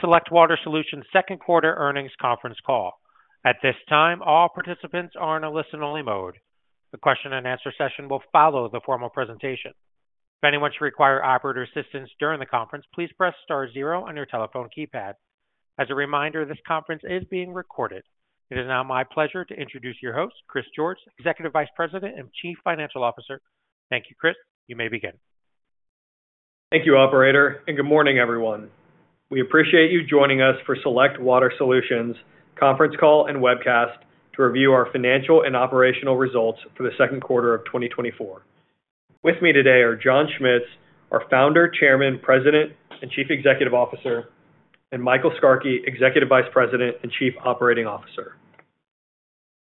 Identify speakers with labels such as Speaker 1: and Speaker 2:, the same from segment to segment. Speaker 1: Select Water Solutions second quarter earnings conference call. At this time, all participants are in a listen-only mode. The question-and-answer session will follow the formal presentation. If anyone should require operator assistance during the conference, please press star zero on your telephone keypad. As a reminder, this conference is being recorded. It is now my pleasure to introduce your host, Chris George, Executive Vice President and Chief Financial Officer. Thank you, Chris. You may begin.
Speaker 2: Thank you, operator, and good morning, everyone. We appreciate you joining us for Select Water Solutions conference call and webcast to review our financial and operational results for the Q2 of 2024. With me today are John Schmitz, our Founder, Chairman, President, and Chief Executive Officer, and Michael Skarke, Executive Vice President and Chief Operating Officer.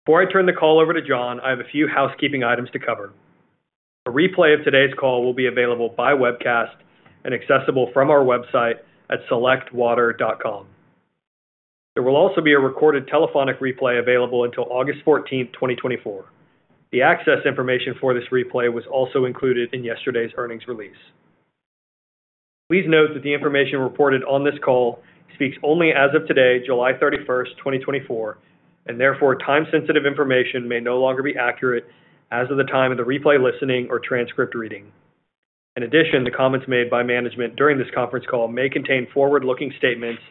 Speaker 2: Before I turn the call over to John, I have a few housekeeping items to cover. A replay of today's call will be available by webcast and accessible from our website at selectwater.com. There will also be a recorded telephonic replay available until August 14, 2024. The access information for this replay was also included in yesterday's earnings release. Please note that the information reported on this call speaks only as of today, July 31st, 2024, and therefore, time-sensitive information may no longer be accurate as of the time of the replay listening or transcript reading. In addition, the comments made by management during this conference call may contain forward-looking statements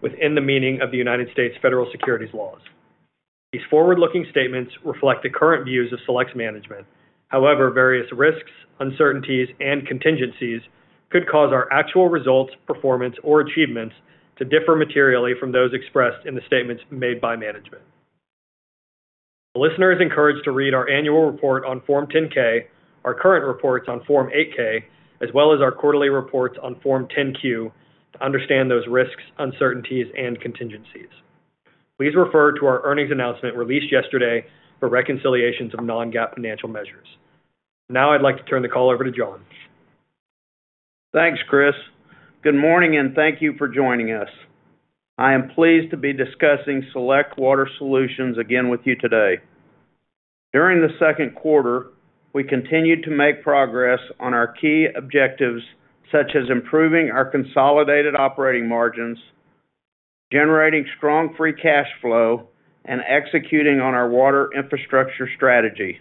Speaker 2: within the meaning of the United States federal securities laws. These forward-looking statements reflect the current views of Select's management. However, various risks, uncertainties, and contingencies could cause our actual results, performance, or achievements to differ materially from those expressed in the statements made by management. The listener is encouraged to read our annual report on Form 10-K, our current reports on Form 8-K, as well as our quarterly reports on Form 10-Q to understand those risks, uncertainties, and contingencies. Please refer to our earnings announcement released yesterday for reconciliations of non-GAAP financial measures. Now I'd like to turn the call over to John. Thanks, Chris. Good morning, and thank you for joining us. I am pleased to be discussing Select Water Solutions again with you today. During the Q2, we continued to make progress on our key objectives, such as improving our consolidated operating margins, generating strong free cash flow, and executing on our water infrastructure strategy.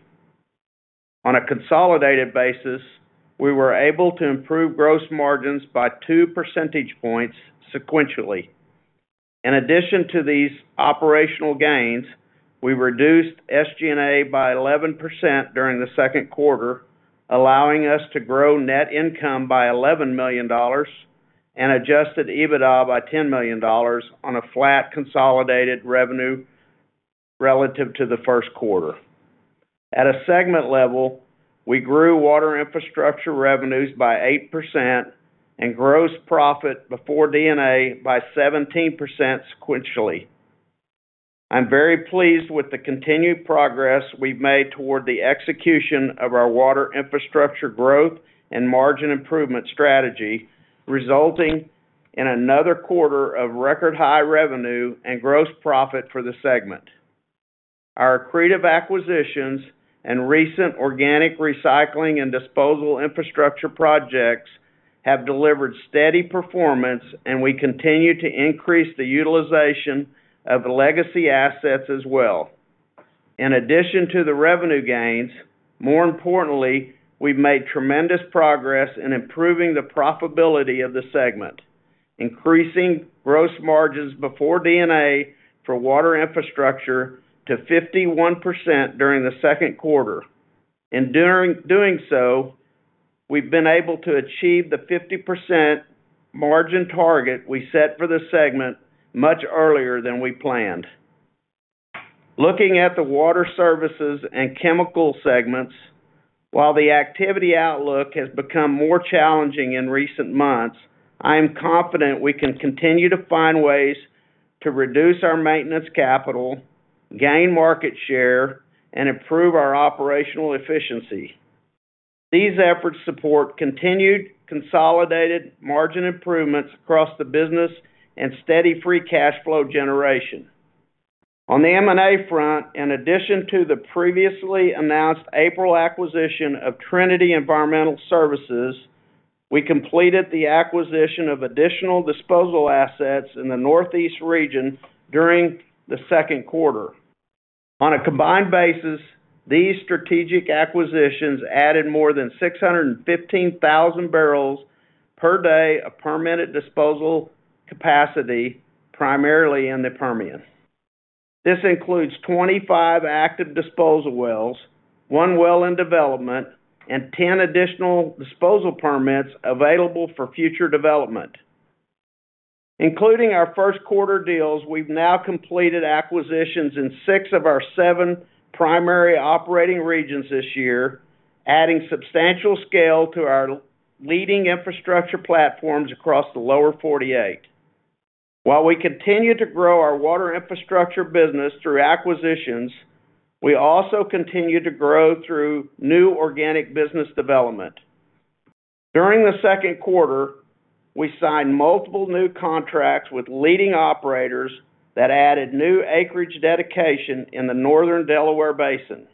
Speaker 2: On a consolidated basis, we were able to improve gross margins by 2 percentage points sequentially. In addition to these operational gains, we reduced SG&A by 11% during the Q2, allowing us to grow net income by $11 million and adjusted EBITDA by $10 million on a flat consolidated revenue relative to the Q1. At a segment level, we grew water infrastructure revenues by 8% and gross profit before D&A by 17% sequentially. I'm very pleased with the continued progress we've made toward the execution of our water infrastructure growth and margin improvement strategy, resulting in another quarter of record-high revenue and gross profit for the segment. Our accretive acquisitions and recent organic recycling and disposal infrastructure projects have delivered steady performance, and we continue to increase the utilization of the legacy assets as well. In addition to the revenue gains, more importantly, we've made tremendous progress in improving the profitability of the segment, increasing gross margins before D&A for water infrastructure to 51% during the Q2. In doing so, we've been able to achieve the 50% margin target we set for this segment much earlier than we planned. Looking at the water services and chemical segments, while the activity outlook has become more challenging in recent months, I am confident we can continue to find ways to reduce our maintenance capital, gain market share, and improve our operational efficiency. These efforts support continued consolidated margin improvements across the business and steady free cash flow generation. On the M&A front, in addition to the previously announced April acquisition of Trinity Environmental Services, we completed the acquisition of additional disposal assets in the Northeast region during the Q2. On a combined basis, these strategic acquisitions added more than 615,000 barrels per day of permitted disposal capacity, primarily in the Permian. This includes 25 active disposal wells, one well in development, and 10 additional disposal permits available for future development. Including our Q1 deals, we've now completed acquisitions in six of our seven primary operating regions this year, adding substantial scale to our leading infrastructure platforms across the Lower 48. While we continue to grow our water infrastructure business through acquisitions, we also continue to grow through new organic business development. During the Q2, we signed multiple new contracts with leading operators that added new acreage dedication in the Northern Delaware Basin.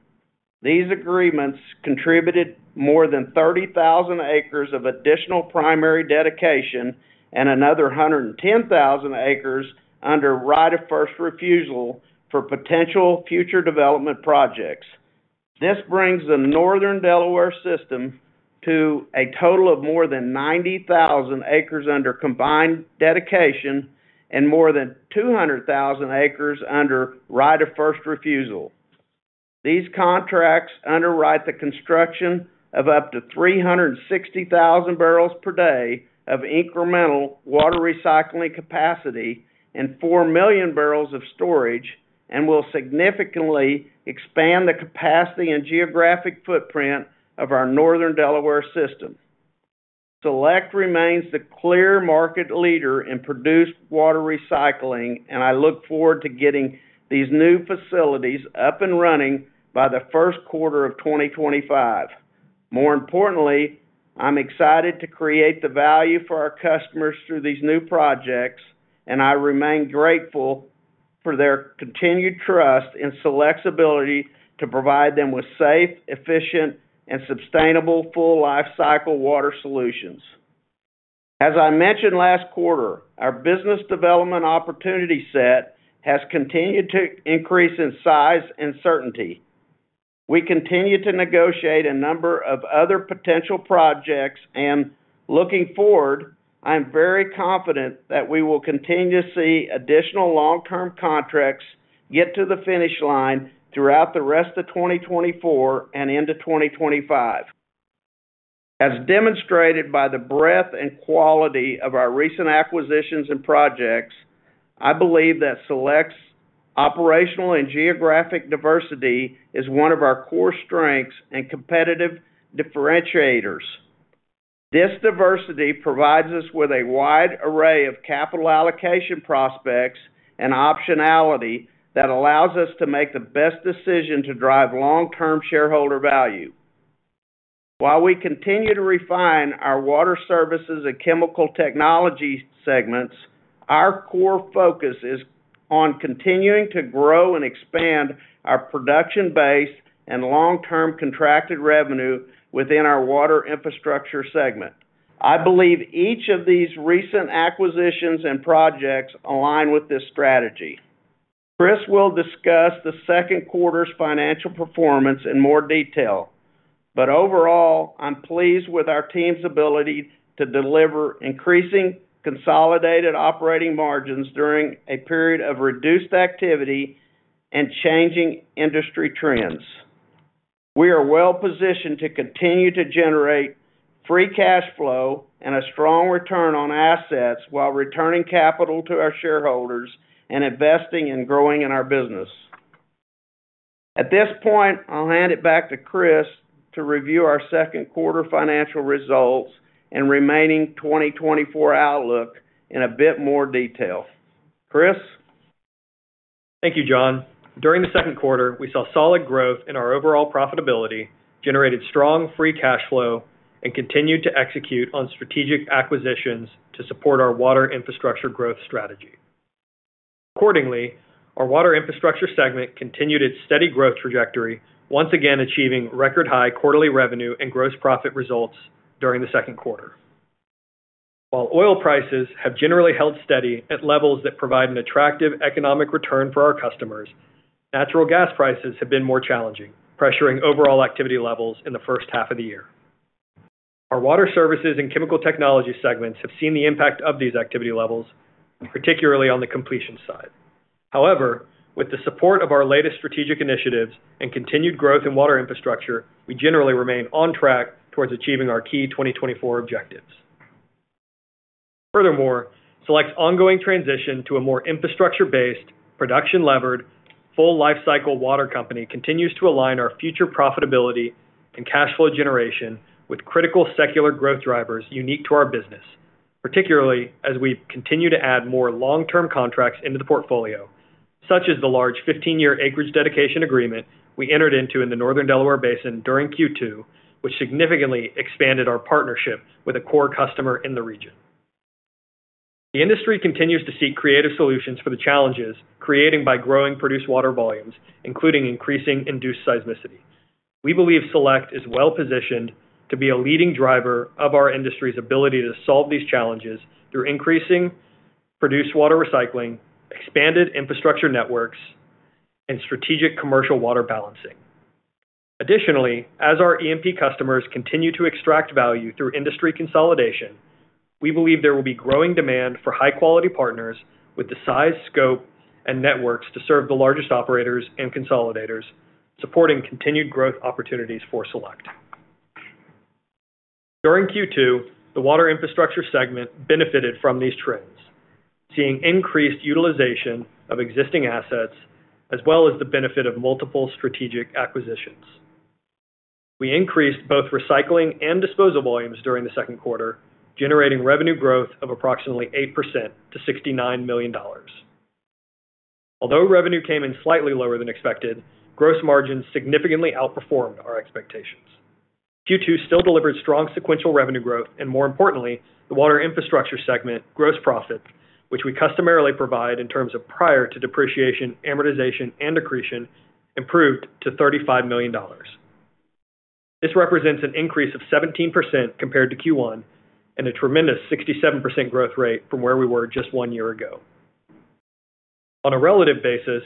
Speaker 2: These agreements contributed more than 30,000 acres of additional primary dedication and another 110,000 acres under right of first refusal for potential future development projects. This brings the Northern Delaware system to a total of more than 90,000 acres under combined dedication and more than 200,000 acres under right of first refusal. These contracts underwrite the construction of up to 360,000 barrels per day of incremental water recycling capacity and 4 million barrels of storage, and will significantly expand the capacity and geographic footprint of our Northern Delaware system. Select remains the clear market leader in produced water recycling, and I look forward to getting these new facilities up and running by the Q1 of 2025. More importantly, I'm excited to create the value for our customers through these new projects, and I remain grateful for their continued trust in Select's ability to provide them with safe, efficient, and sustainable full lifecycle water solutions. As I mentioned last quarter, our business development opportunity set has continued to increase in size and certainty. We continue to negotiate a number of other potential projects, and looking forward, I'm very confident that we will continue to see additional long-term contracts get to the finish line throughout the rest of 2024 and into 2025. As demonstrated by the breadth and quality of our recent acquisitions and projects, I believe that Select's operational and geographic diversity is one of our core strengths and competitive differentiators. This diversity provides us with a wide array of capital allocation prospects and optionality that allows us to make the best decision to drive long-term shareholder value. While we continue to refine our water services and chemical technology segments, our core focus is on continuing to grow and expand our production base and long-term contracted revenue within our water infrastructure segment. I believe each of these recent acquisitions and projects align with this strategy. Chris will discuss the Q2's financial performance in more detail. But overall, I'm pleased with our team's ability to deliver increasing consolidated operating margins during a period of reduced activity and changing industry trends. We are well-positioned to continue to generate free cash flow and a strong return on assets while returning capital to our shareholders and investing and growing in our business. At this point, I'll hand it back to Chris to review our Q2 financial results and remaining 2024 outlook in a bit more detail. Chris?
Speaker 3: Thank you, John. During the Q2, we saw solid growth in our overall profitability, generated strong free cash flow, and continued to execute on strategic acquisitions to support our water infrastructure growth strategy. Accordingly, our water infrastructure segment continued its steady growth trajectory, once again achieving record high quarterly revenue and gross profit results during the Q2. While oil prices have generally held steady at levels that provide an attractive economic return for our customers, natural gas prices have been more challenging, pressuring overall activity levels in the first half of the year. Our water services and chemical technology segments have seen the impact of these activity levels, particularly on the completion side. However, with the support of our latest strategic initiatives and continued growth in water infrastructure, we generally remain on track towards achieving our key 2024 objectives. Furthermore, Select's ongoing transition to a more infrastructure-based, production-levered, full lifecycle water company continues to align our future profitability and cash flow generation with critical secular growth drivers unique to our business, particularly as we continue to add more long-term contracts into the portfolio, such as the large 15-year acreage dedication agreement we entered into in the Northern Delaware Basin during Q2, which significantly expanded our partnership with a core customer in the region. The industry continues to seek creative solutions for the challenges created by growing produced water volumes, including increasing induced seismicity. We believe Select is well-positioned to be a leading driver of our industry's ability to solve these challenges through increasing produced water recycling, expanded infrastructure networks, and strategic commercial water balancing. Additionally, as our E&P customers continue to extract value through industry consolidation, we believe there will be growing demand for high-quality partners with the size, scope, and networks to serve the largest operators and consolidators, supporting continued growth opportunities for Select. During Q2, the water infrastructure segment benefited from these trends, seeing increased utilization of existing assets, as well as the benefit of multiple strategic acquisitions. We increased both recycling and disposal volumes during the Q2, generating revenue growth of approximately 8% to $69 million. Although revenue came in slightly lower than expected, gross margins significantly outperformed our expectations. Q2 still delivered strong sequential revenue growth, and more importantly, the water infrastructure segment gross profit, which we customarily provide in terms of prior to depreciation, amortization, and accretion, improved to $35 million. This represents an increase of 17% compared to Q1, and a tremendous 67% growth rate from where we were just one year ago. On a relative basis,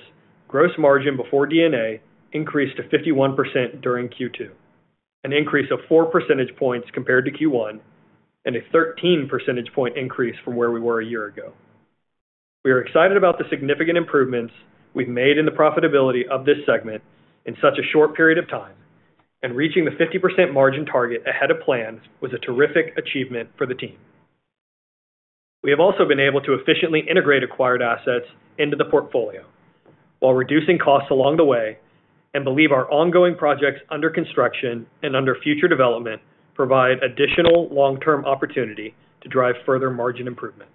Speaker 3: gross margin before D&A increased to 51% during Q2, an increase of four percentage points compared to Q1, and a thirteen percentage point increase from where we were a year ago. We are excited about the significant improvements we've made in the profitability of this segment in such a short period of time, and reaching the 50% margin target ahead of plan was a terrific achievement for the team. We have also been able to efficiently integrate acquired assets into the portfolio while reducing costs along the way, and believe our ongoing projects under construction and under future development provide additional long-term opportunity to drive further margin improvement.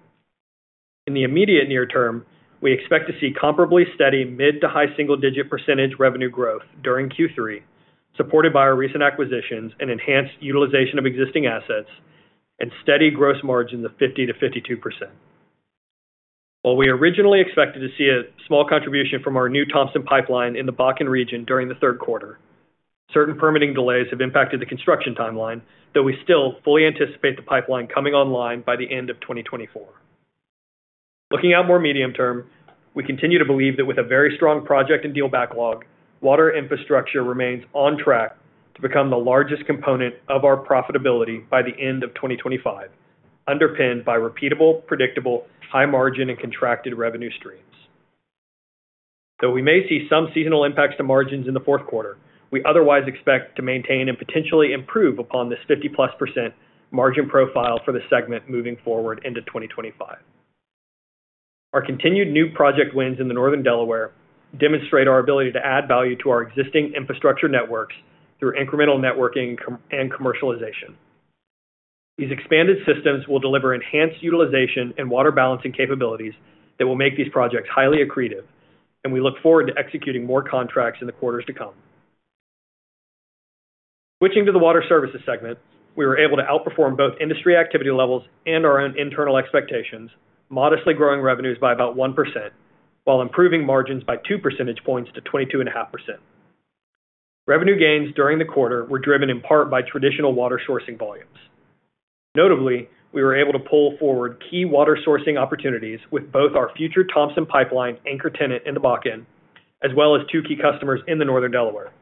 Speaker 3: In the immediate near term, we expect to see comparably steady mid- to high single-digit percentage revenue growth during Q3, supported by our recent acquisitions and enhanced utilization of existing assets and steady gross margin of 50%-52%. While we originally expected to see a small contribution from our new Thompson Pipeline in the Bakken region during the Q3, certain permitting delays have impacted the construction timeline, though we still fully anticipate the pipeline coming online by the end of 2024. Looking out more medium term, we continue to believe that with a very strong project and deal backlog, water infrastructure remains on track to become the largest component of our profitability by the end of 2025, underpinned by repeatable, predictable, high margin, and contracted revenue streams. Though we may see some seasonal impacts to margins in the Q4, we otherwise expect to maintain and potentially improve upon this 50%+ margin profile for the segment moving forward into 2025. Our continued new project wins in the Northern Delaware demonstrate our ability to add value to our existing infrastructure networks through incremental networking and commercialization. These expanded systems will deliver enhanced utilization and water balancing capabilities that will make these projects highly accretive, and we look forward to executing more contracts in the quarters to come. Switching to the water services segment, we were able to outperform both industry activity levels and our own internal expectations, modestly growing revenues by about 1%, while improving margins by two percentage points to 22.5%. Revenue gains during the quarter were driven in part by traditional water sourcing volumes. Notably, we were able to pull forward key water sourcing opportunities with both our future Thompson Pipeline anchor tenant in the Bakken, as well as two key customers in the Northern Delaware.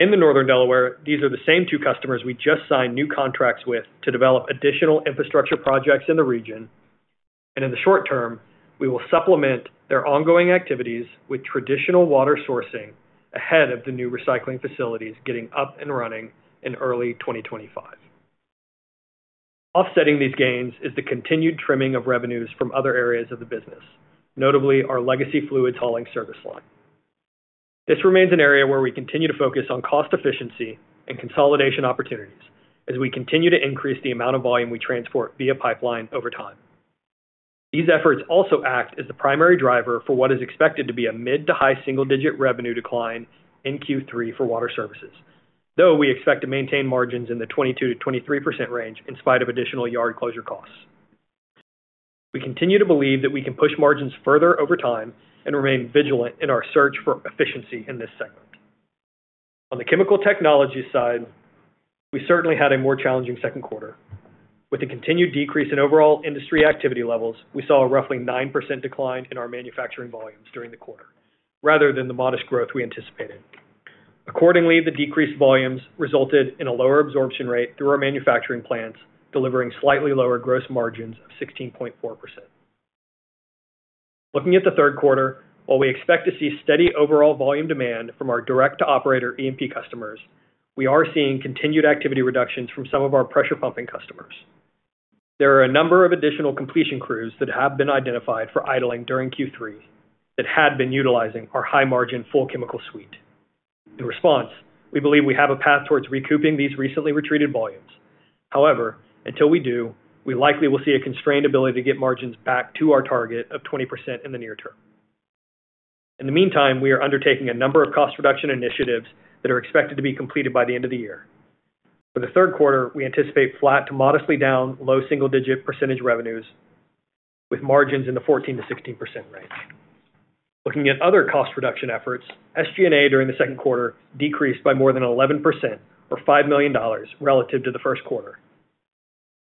Speaker 3: In the Northern Delaware, these are the same two customers we just signed new contracts with to develop additional infrastructure projects in the region, and in the short term, we will supplement their ongoing activities with traditional water sourcing ahead of the new recycling facilities getting up and running in early 2025. Offsetting these gains is the continued trimming of revenues from other areas of the business, notably our legacy fluids hauling service line. This remains an area where we continue to focus on cost efficiency and consolidation opportunities as we continue to increase the amount of volume we transport via pipeline over time. These efforts also act as the primary driver for what is expected to be a mid- to high single-digit revenue decline in Q3 for water services, though we expect to maintain margins in the 22%-23% range in spite of additional yard closure costs. We continue to believe that we can push margins further over time and remain vigilant in our search for efficiency in this segment. On the chemical technology side, we certainly had a more challenging Q2. With the continued decrease in overall industry activity levels, we saw a roughly 9% decline in our manufacturing volumes during the quarter, rather than the modest growth we anticipated. Accordingly, the decreased volumes resulted in a lower absorption rate through our manufacturing plants, delivering slightly lower gross margins of 16.4%. Looking at the Q3, while we expect to see steady overall volume demand from our direct-to-operator E&P customers, we are seeing continued activity reductions from some of our pressure pumping customers. There are a number of additional completion crews that have been identified for idling during Q3 that had been utilizing our high-margin full chemical suite. In response, we believe we have a path towards recouping these recently retreated volumes. However, until we do, we likely will see a constrained ability to get margins back to our target of 20% in the near term. In the meantime, we are undertaking a number of cost reduction initiatives that are expected to be completed by the end of the year. For the Q3, we anticipate flat to modestly down low single-digit percentage revenues, with margins in the 14%-16% range. Looking at other cost reduction efforts, SG&A during the Q2 decreased by more than 11% or $5 million relative to the Q1.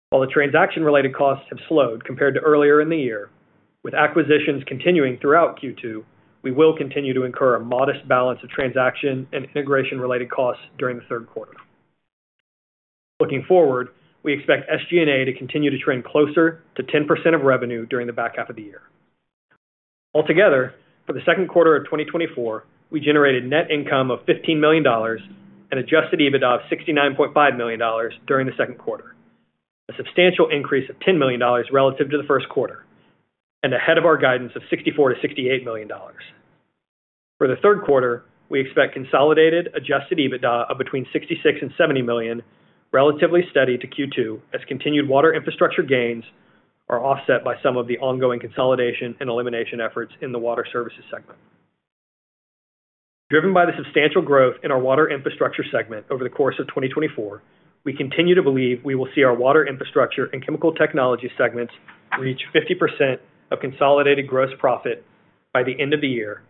Speaker 3: While the transaction-related costs have slowed compared to earlier in the year, with acquisitions continuing throughout Q2, we will continue to incur a modest balance of transaction and integration-related costs during the Q3. Looking forward, we expect SG&A to continue to trend closer to 10% of revenue during the back half of the year. Altogether, for the Q2 of 2024, we generated net income of $15 million and adjusted EBITDA of $69.5 million during the Q2, a substantial increase of $10 million relative to the Q1, and ahead of our guidance of $64 million-$68 million. For the Q3, we expect consolidated Adjusted EBITDA of between $66 million and $70 million, relatively steady to Q2, as continued Water Infrastructure gains are offset by some of the ongoing consolidation and elimination efforts in the Water Services segment. Driven by the substantial growth in our Water Infrastructure segment over the course of 2024, we continue to believe we will see our Water Infrastructure and Chemical Technologies segments reach 50% of consolidated gross profit by the end of the year,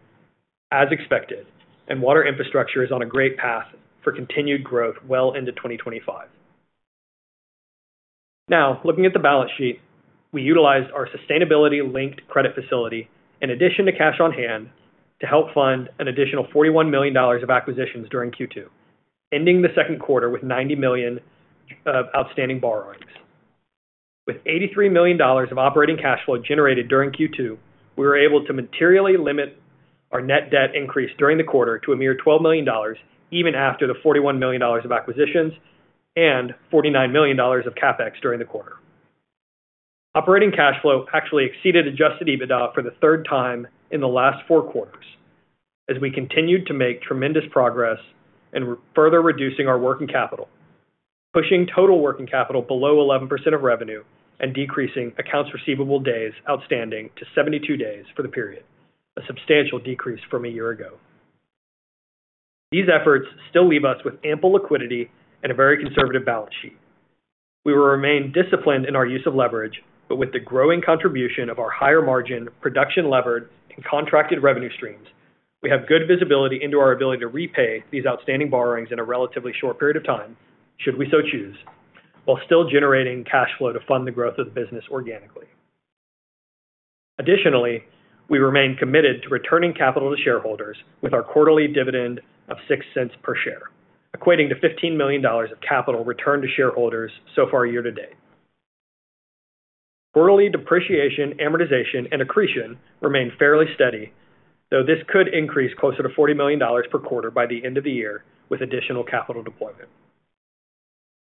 Speaker 3: as expected, and Water Infrastructure is on a great path for continued growth well into 2025. Now, looking at the balance sheet, we utilized our sustainability-linked credit facility in addition to cash on hand, to help fund an additional $41 million of acquisitions during Q2, ending the Q2 with $90 million of outstanding borrowings. With $83 million of operating cash flow generated during Q2, we were able to materially limit our net debt increase during the quarter to a mere $12 million, even after the $41 million of acquisitions and $49 million of CapEx during the quarter. Operating cash flow actually exceeded adjusted EBITDA for the third time in the last four quarters, as we continued to make tremendous progress in further reducing our working capital, pushing total working capital below 11% of revenue and decreasing accounts receivable days outstanding to 72 days for the period, a substantial decrease from a year ago. These efforts still leave us with ample liquidity and a very conservative balance sheet. We will remain disciplined in our use of leverage, but with the growing contribution of our higher margin, production-levered, and contracted revenue streams, we have good visibility into our ability to repay these outstanding borrowings in a relatively short period of time, should we so choose, while still generating cash flow to fund the growth of the business organically. Additionally, we remain committed to returning capital to shareholders with our quarterly dividend of $0.06 per share, equating to $15 million of capital returned to shareholders so far year to date. Quarterly depreciation, amortization, and accretion remain fairly steady, though this could increase closer to $40 million per quarter by the end of the year with additional capital deployment.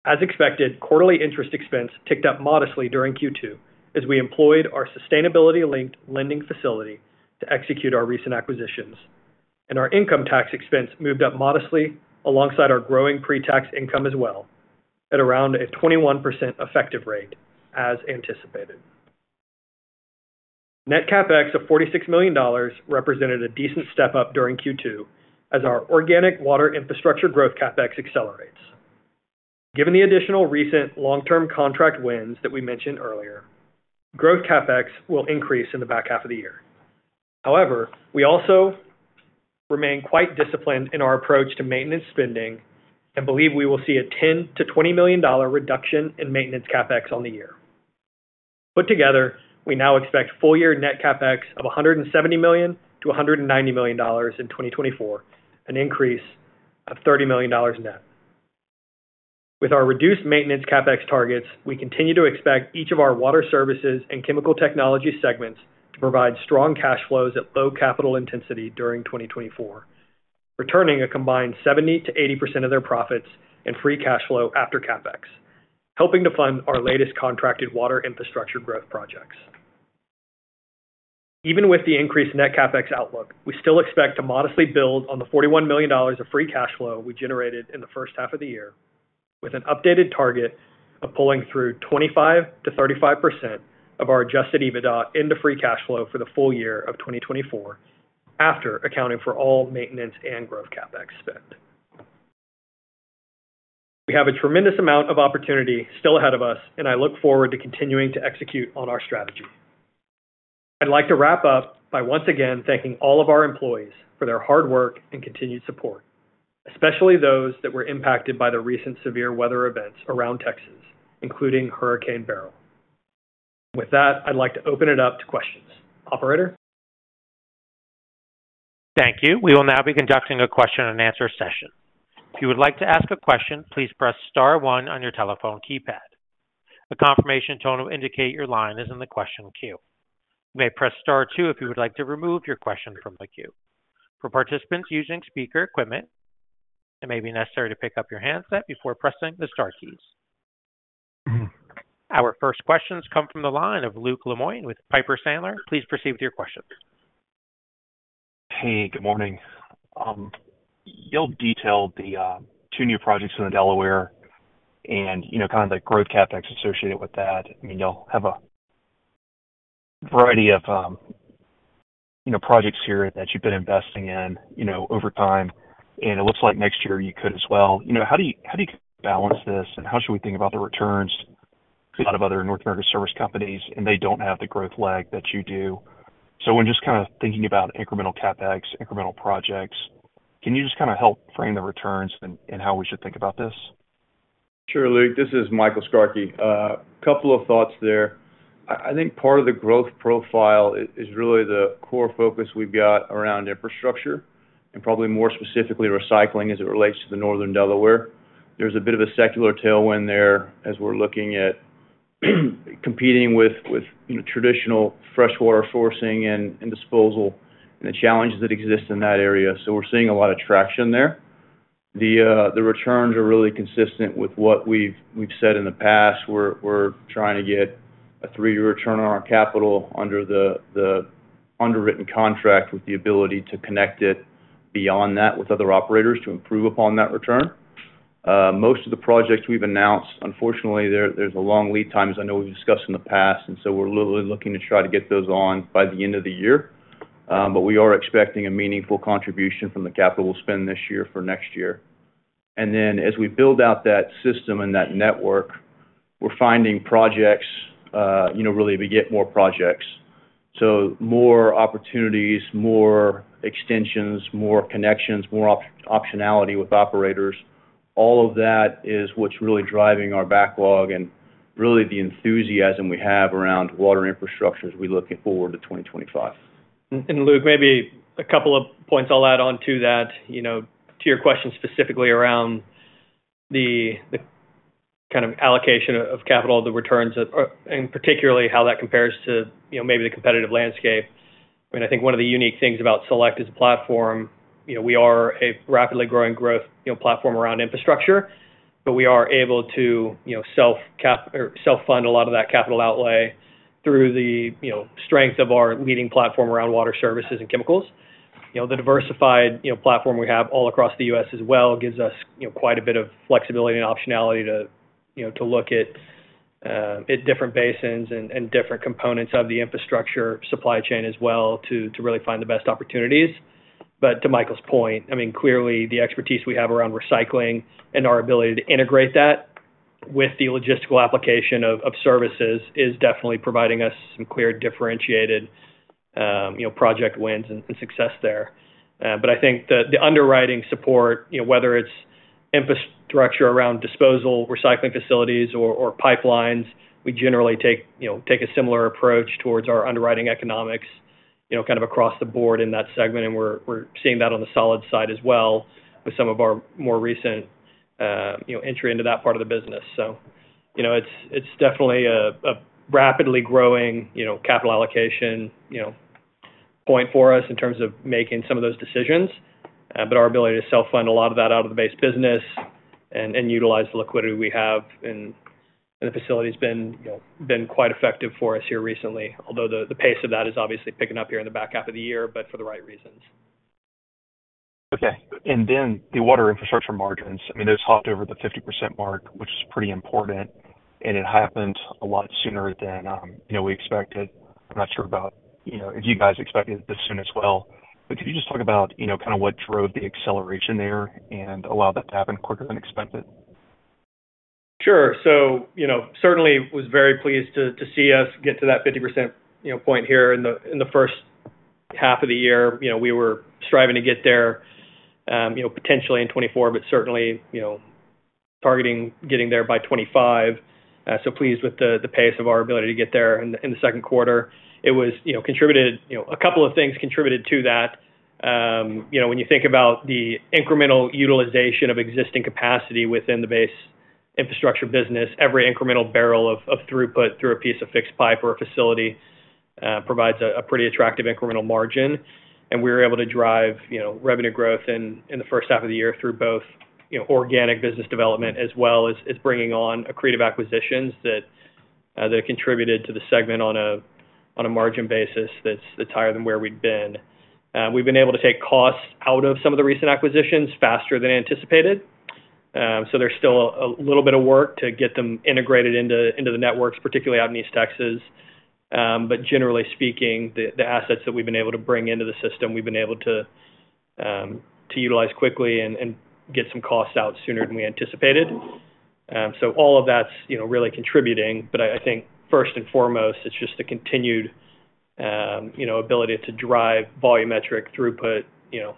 Speaker 3: As expected, quarterly interest expense ticked up modestly during Q2 as we employed our sustainability-linked lending facility to execute our recent acquisitions, and our income tax expense moved up modestly alongside our growing pre-tax income as well, at around a 21% effective rate as anticipated. Net CapEx of $46 million represented a decent step-up during Q2 as our organic water infrastructure growth CapEx accelerates. Given the additional recent long-term contract wins that we mentioned earlier, growth CapEx will increase in the back half of the year. However, we also remain quite disciplined in our approach to maintenance spending and believe we will see a $10 million-$20 million reduction in maintenance CapEx on the year. Put together, we now expect full-year net CapEx of $170 million-$190 million in 2024, an increase of $30 million net. With our reduced maintenance CapEx targets, we continue to expect each of our water services and chemical technology segments to provide strong cash flows at low capital intensity during 2024, returning a combined 70%-80% of their profits and free cash flow after CapEx, helping to fund our latest contracted water infrastructure growth projects. Even with the increased net CapEx outlook, we still expect to modestly build on the $41 million of free cash flow we generated in the first half of the year, with an updated target of pulling through 25%-35% of our adjusted EBITDA into free cash flow for the full year of 2024, after accounting for all maintenance and growth CapEx spend. We have a tremendous amount of opportunity still ahead of us, and I look forward to continuing to execute on our strategy. I'd like to wrap up by once again thanking all of our employees for their hard work and continued support, especially those that were impacted by the recent severe weather events around Texas, including Hurricane Beryl. With that, I'd like to open it up to questions. Operator?
Speaker 1: Thank you. We will now be conducting a question and answer session. If you would like to ask a question, please press star one on your telephone keypad. A confirmation tone will indicate your line is in the question queue. You may press star two if you would like to remove your question from the queue. For participants using speaker equipment, it may be necessary to pick up your handset before pressing the star keys. Our first questions come from the line of Luke Lemoine with Piper Sandler. Please proceed with your questions.
Speaker 4: Hey, good morning. You all detailed the two new projects in the Delaware and, you know, kind of the growth CapEx associated with that. I mean, you all have a variety of, you know, projects here that you've been investing in, you know, over time, and it looks like next year you could as well. You know, how do you, how do you balance this, and how should we think about the returns? A lot of other North American service companies, and they don't have the growth lag that you do. So when just kind of thinking about incremental CapEx, incremental projects, can you just kind of help frame the returns and, and how we should think about this?
Speaker 3: Sure, Luke. This is Michael Skarke. A couple of thoughts there. I think part of the growth profile is really the core focus we've got around infrastructure and probably more specifically, recycling as it relates to the northern Delaware. There's a bit of a secular tailwind there as we're looking at competing with traditional freshwater sourcing and disposal and the challenges that exist in that area. So we're seeing a lot of traction there. The returns are really consistent with what we've said in the past. We're trying to get a three-year return on our capital under the underwritten contract, with the ability to connect it beyond that with other operators to improve upon that return....
Speaker 5: most of the projects we've announced, unfortunately, there's a long lead time, as I know we've discussed in the past, and so we're literally looking to try to get those on by the end of the year. But we are expecting a meaningful contribution from the capital spend this year for next year. And then as we build out that system and that network, we're finding projects, you know, really, we get more projects. So more opportunities, more extensions, more connections, more optionality with operators. All of that is what's really driving our backlog and really the enthusiasm we have around water infrastructure as we look forward to 2025.
Speaker 3: And Luke, maybe a couple of points I'll add on to that, you know, to your question, specifically around the kind of allocation of capital, the returns, or and particularly how that compares to, you know, maybe the competitive landscape. I mean, I think one of the unique things about Select as a platform, you know, we are a rapidly growing growth, you know, platform around infrastructure, but we are able to, you know, self-cap or self-fund a lot of that capital outlay through the, you know, strength of our leading platform around water services and chemicals. You know, the diversified, you know, platform we have all across the U.S. as well, gives us, you know, quite a bit of flexibility and optionality to, you know, to look at at different basins and different components of the infrastructure supply chain as well, to really find the best opportunities. But to Michael's point, I mean, clearly, the expertise we have around recycling and our ability to integrate that with the logistical application of services is definitely providing us some clear, differentiated, you know, project wins and success there. But I think the underwriting support, you know, whether it's infrastructure around disposal, recycling facilities or pipelines, we generally take, you know, take a similar approach towards our underwriting economics, you know, kind of across the board in that segment, and we're seeing that on the solids side as well with some of our more recent, you know, entry into that part of the business. So, you know, it's definitely a rapidly growing, you know, capital allocation point for us in terms of making some of those decisions. But our ability to self-fund a lot of that out of the base business and utilize the liquidity we have in the facility has been, you know, quite effective for us here recently, although the pace of that is obviously picking up here in the back half of the year, but for the right reasons.
Speaker 4: Okay. And then the water infrastructure margins, I mean, those hopped over the 50% mark, which is pretty important, and it happened a lot sooner than, you know, we expected. I'm not sure about, you know, if you guys expected it this soon as well. But can you just talk about, you know, kind of what drove the acceleration there and allowed that to happen quicker than expected?
Speaker 3: Sure. So, you know, certainly was very pleased to see us get to that 50% point here in the first half of the year. You know, we were striving to get there, you know, potentially in 2024, but certainly, you know, targeting getting there by 2025. So pleased with the pace of our ability to get there in the Q2. It was... You know, a couple of things contributed to that. You know, when you think about the incremental utilization of existing capacity within the base infrastructure business, every incremental barrel of throughput through a piece of fixed pipe or a facility provides a pretty attractive incremental margin, and we were able to drive, you know, revenue growth in the first half of the year through both, you know, organic business development, as well as bringing on accretive acquisitions that contributed to the segment on a margin basis that's higher than where we'd been. We've been able to take costs out of some of the recent acquisitions faster than anticipated. So there's still a little bit of work to get them integrated into the networks, particularly out in East Texas. But generally speaking, the assets that we've been able to bring into the system, we've been able to utilize quickly and get some costs out sooner than we anticipated. So all of that's, you know, really contributing, but I think first and foremost, it's just the continued, you know, ability to drive volumetric throughput, you know,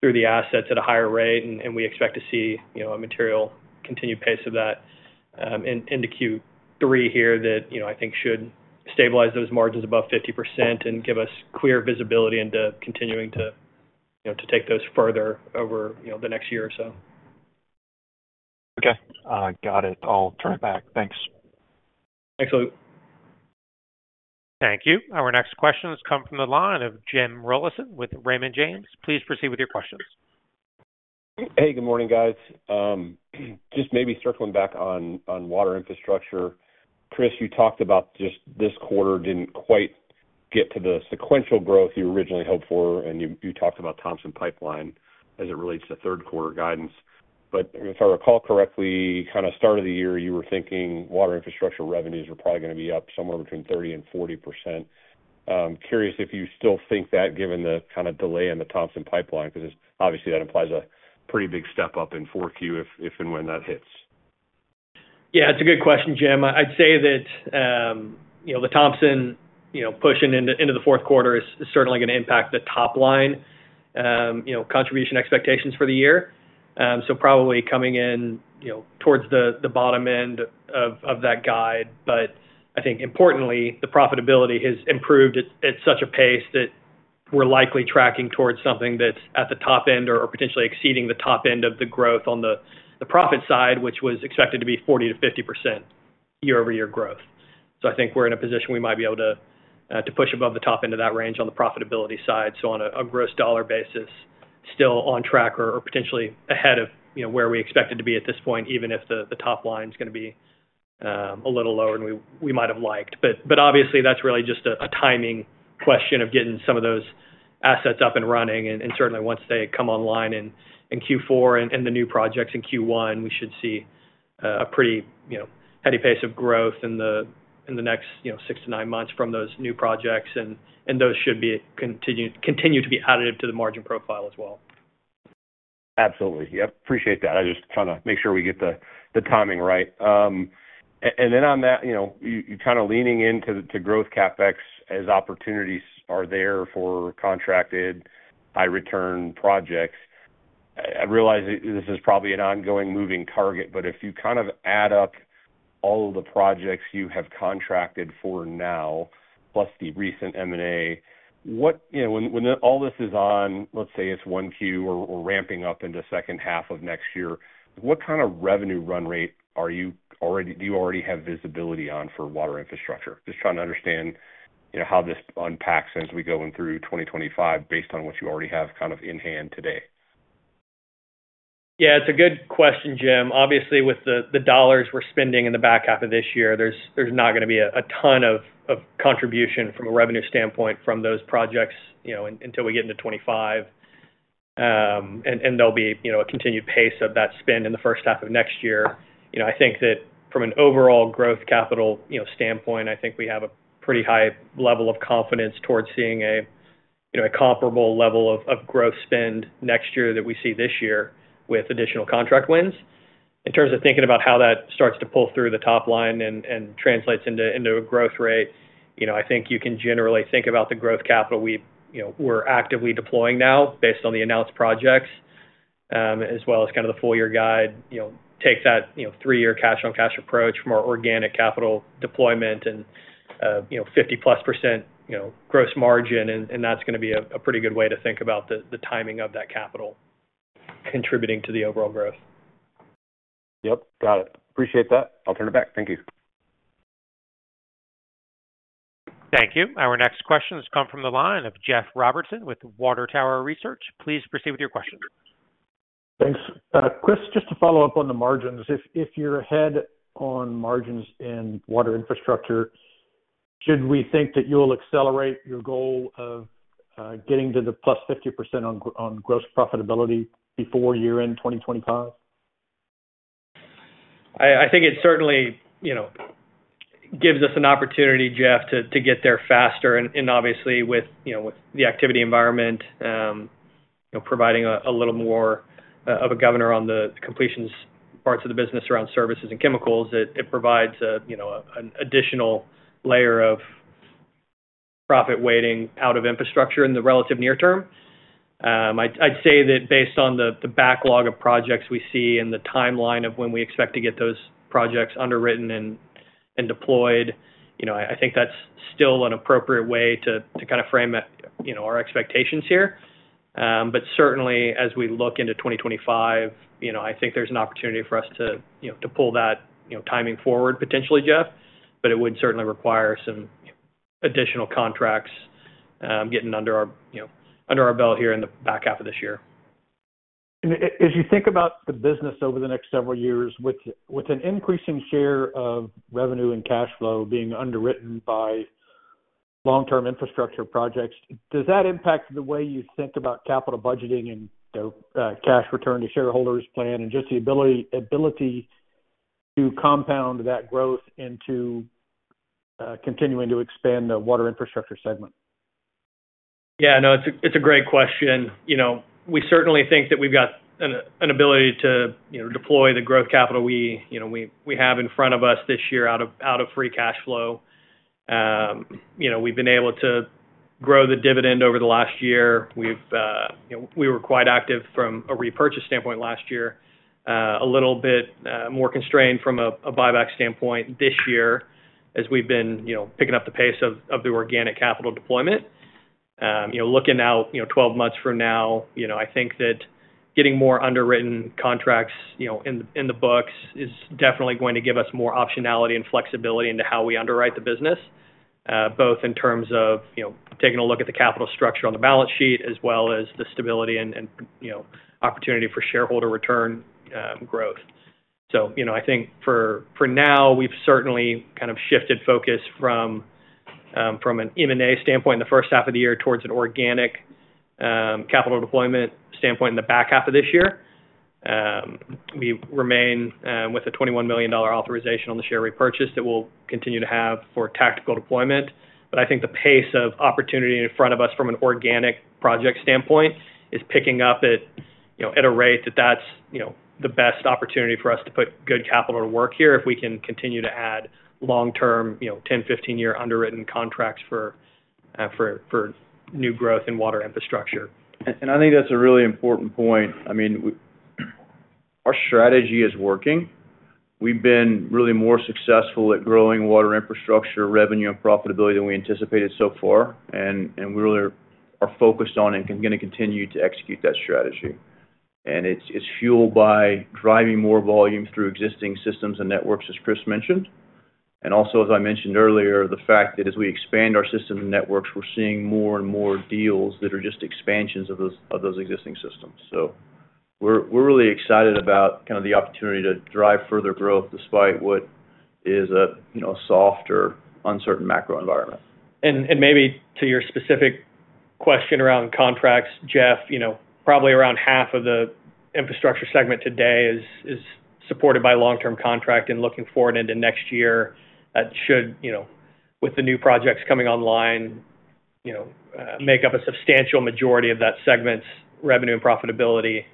Speaker 3: through the assets at a higher rate, and we expect to see, you know, a material continued pace of that into Q3 here that, you know, I think should stabilize those margins above 50% and give us clear visibility into continuing to, you know, to take those further over, you know, the next year or so.
Speaker 4: Okay, got it. I'll turn it back. Thanks.
Speaker 3: Thanks, Luke.
Speaker 1: Thank you. Our next question has come from the line of Jim Rollyson with Raymond James. Please proceed with your questions.
Speaker 6: Hey, good morning, guys. Just maybe circling back on water infrastructure. Chris, you talked about just this quarter didn't quite get to the sequential growth you originally hoped for, and you talked about Thompson Pipeline as it relates to Q3 guidance. But if I recall correctly, kind of start of the year, you were thinking water infrastructure revenues were probably gonna be up somewhere between 30%-40%. Curious if you still think that, given the kind of delay in the Thompson Pipeline, because obviously, that implies a pretty big step up in 4Q if and when that hits.
Speaker 3: Yeah, it's a good question, Jim. I'd say that, you know, the Thompson, you know, pushing into, into the Q4 is, is certainly gonna impact the top line, you know, contribution expectations for the year. So probably coming in, you know, towards the, the bottom end of, of that guide. But I think importantly, the profitability has improved at such a pace that we're likely tracking towards something that's at the top end or potentially exceeding the top end of the growth on the, the profit side, which was expected to be 40%-50% year-over-year growth. So I think we're in a position we might be able to, to push above the top end of that range on the profitability side. So on a gross dollar basis, still on track or potentially ahead of, you know, where we expected to be at this point, even if the top line's gonna be a little lower than we might have liked. But obviously, that's really just a timing question of getting some of those assets up and running, and certainly once they come online in Q4 and the new projects in Q1, we should see a pretty, you know, heady pace of growth in the next, you know, six to nine months from those new projects. And those should continue to be additive to the margin profile as well.
Speaker 6: Absolutely. Yep, appreciate that. I just trying to make sure we get the timing right. And then on that, you know, you're kind of leaning into growth CapEx as opportunities are there for contracted high return projects. I realize this is probably an ongoing moving target, but if you kind of add up all of the projects you have contracted for now, plus the recent M&A, what... You know, when all this is on, let's say it's 1Q or ramping up into second half of next year, what kind of revenue run rate are you already do you already have visibility on for water infrastructure? Just trying to understand, you know, how this unpacks as we go in through 2025, based on what you already have kind of in hand today.
Speaker 3: Yeah, it's a good question, Jim. Obviously, with the dollars we're spending in the back half of this year, there's not gonna be a ton of contribution from a revenue standpoint from those projects, you know, until we get into 2025. And there'll be, you know, a continued pace of that spend in the first half of next year. You know, I think that from an overall growth capital, you know, standpoint, I think we have a pretty high level of confidence towards seeing a, you know, a comparable level of growth spend next year that we see this year with additional contract wins. In terms of thinking about how that starts to pull through the top line and, and translates into, into a growth rate, you know, I think you can generally think about the growth capital we you know, we're actively deploying now, based on the announced projects, as well as kind of the full year guide. You know, take that, you know, three-year cash-on-cash approach from our organic capital deployment and, you know, 50%+, you know, gross margin, and, and that's gonna be a, a pretty good way to think about the, the timing of that capital contributing to the overall growth.
Speaker 6: Yep, got it. Appreciate that. I'll turn it back. Thank you.
Speaker 1: Thank you. Our next question has come from the line of Jeff Robertson with Water Tower Research. Please proceed with your question.
Speaker 7: Thanks. Chris, just to follow up on the margins. If you're ahead on margins in water infrastructure, should we think that you'll accelerate your goal of getting to the +50% on gross profitability before year-end 2025?
Speaker 3: I think it certainly, you know, gives us an opportunity, Jeff, to get there faster. And obviously, with you know, with the activity environment, you know, providing a little more of a governor on the completions parts of the business around services and chemicals, it provides a you know, an additional layer of profit weighting out of infrastructure in the relative near term. I'd say that based on the backlog of projects we see and the timeline of when we expect to get those projects underwritten and deployed, you know, I think that's still an appropriate way to kind of frame it, you know, our expectations here. But certainly, as we look into 2025, you know, I think there's an opportunity for us to, you know, to pull that, you know, timing forward, potentially, Jeff, but it would certainly require some additional contracts, getting under our, you know, under our belt here in the back half of this year.
Speaker 7: As you think about the business over the next several years, with an increasing share of revenue and cash flow being underwritten by long-term infrastructure projects, does that impact the way you think about capital budgeting and, you know, cash return to shareholders plan and just the ability to compound that growth into continuing to expand the water infrastructure segment?
Speaker 3: Yeah. No, it's a great question. You know, we certainly think that we've got an ability to, you know, deploy the growth capital we, you know, we have in front of us this year out of free cash flow. You know, we've been able to grow the dividend over the last year. We've... You know, we were quite active from a repurchase standpoint last year, a little bit more constrained from a buyback standpoint this year, as we've been, you know, picking up the pace of the organic capital deployment. You know, looking out 12 months from now, you know, I think that getting more underwritten contracts, you know, in the books is definitely going to give us more optionality and flexibility into how we underwrite the business, both in terms of, you know, taking a look at the capital structure on the balance sheet, as well as the stability and, you know, opportunity for shareholder return, growth. So, you know, I think for now, we've certainly kind of shifted focus from from an M&A standpoint in the first half of the year towards an organic capital deployment standpoint in the back half of this year. We remain with a $21 million authorization on the share repurchase that we'll continue to have for tactical deployment. But I think the pace of opportunity in front of us from an organic project standpoint is picking up at, you know, at a rate that is, you know, the best opportunity for us to put good capital to work here, if we can continue to add long-term, you know, 10, 15-year underwritten contracts for new growth in water infrastructure.
Speaker 5: And I think that's a really important point. I mean, our strategy is working. We've been really more successful at growing water infrastructure, revenue, and profitability than we anticipated so far, and we really are focused on and gonna continue to execute that strategy. And it's fueled by driving more volume through existing systems and networks, as Chris mentioned.... And also, as I mentioned earlier, the fact that as we expand our system and networks, we're seeing more and more deals that are just expansions of those existing systems. So we're really excited about kind of the opportunity to drive further growth despite what is a, you know, soft or uncertain macro environment.
Speaker 3: And maybe to your specific question around contracts, Jeff, you know, probably around half of the infrastructure segment today is supported by long-term contract. And looking forward into next year, that should, you know, with the new projects coming online, you know, make up a substantial majority of that segment's revenue and profitability,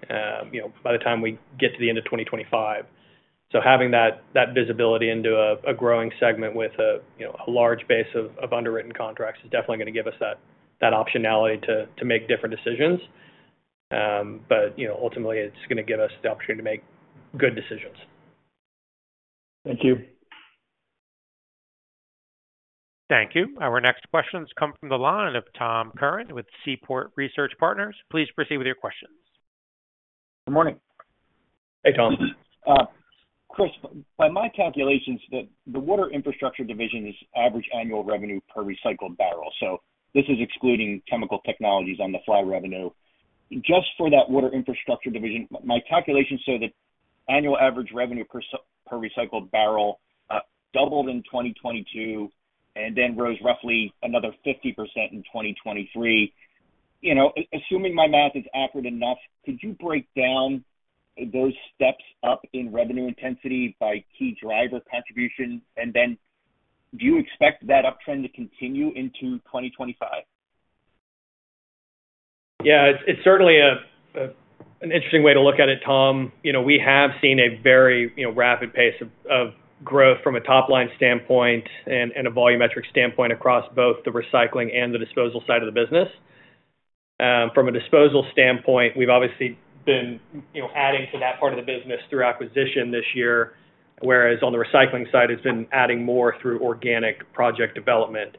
Speaker 3: you know, by the time we get to the end of 2025. So having that visibility into a growing segment with a, you know, a large base of underwritten contracts is definitely gonna give us that optionality to make different decisions. But, you know, ultimately, it's gonna give us the opportunity to make good decisions.
Speaker 7: Thank you.
Speaker 1: Thank you. Our next question comes from the line of Tom Curran with Seaport Research Partners. Please proceed with your questions.
Speaker 8: Good morning.
Speaker 5: Hey, Tom.
Speaker 8: Chris, by my calculations, the Water Infrastructure division's average annual revenue per recycled barrel, so this is excluding chemical technologies on-the-fly revenue. Just for that Water Infrastructure division, my calculations say that annual average revenue per recycled barrel doubled in 2022, and then rose roughly another 50% in 2023. You know, assuming my math is accurate enough, could you break down those steps up in revenue intensity by key driver contribution? And then do you expect that uptrend to continue into 2025?
Speaker 3: Yeah, it's certainly an interesting way to look at it, Tom. You know, we have seen a very, you know, rapid pace of growth from a top-line standpoint and a volumetric standpoint across both the recycling and the disposal side of the business. From a disposal standpoint, we've obviously been, you know, adding to that part of the business through acquisition this year, whereas on the recycling side, it's been adding more through organic project development.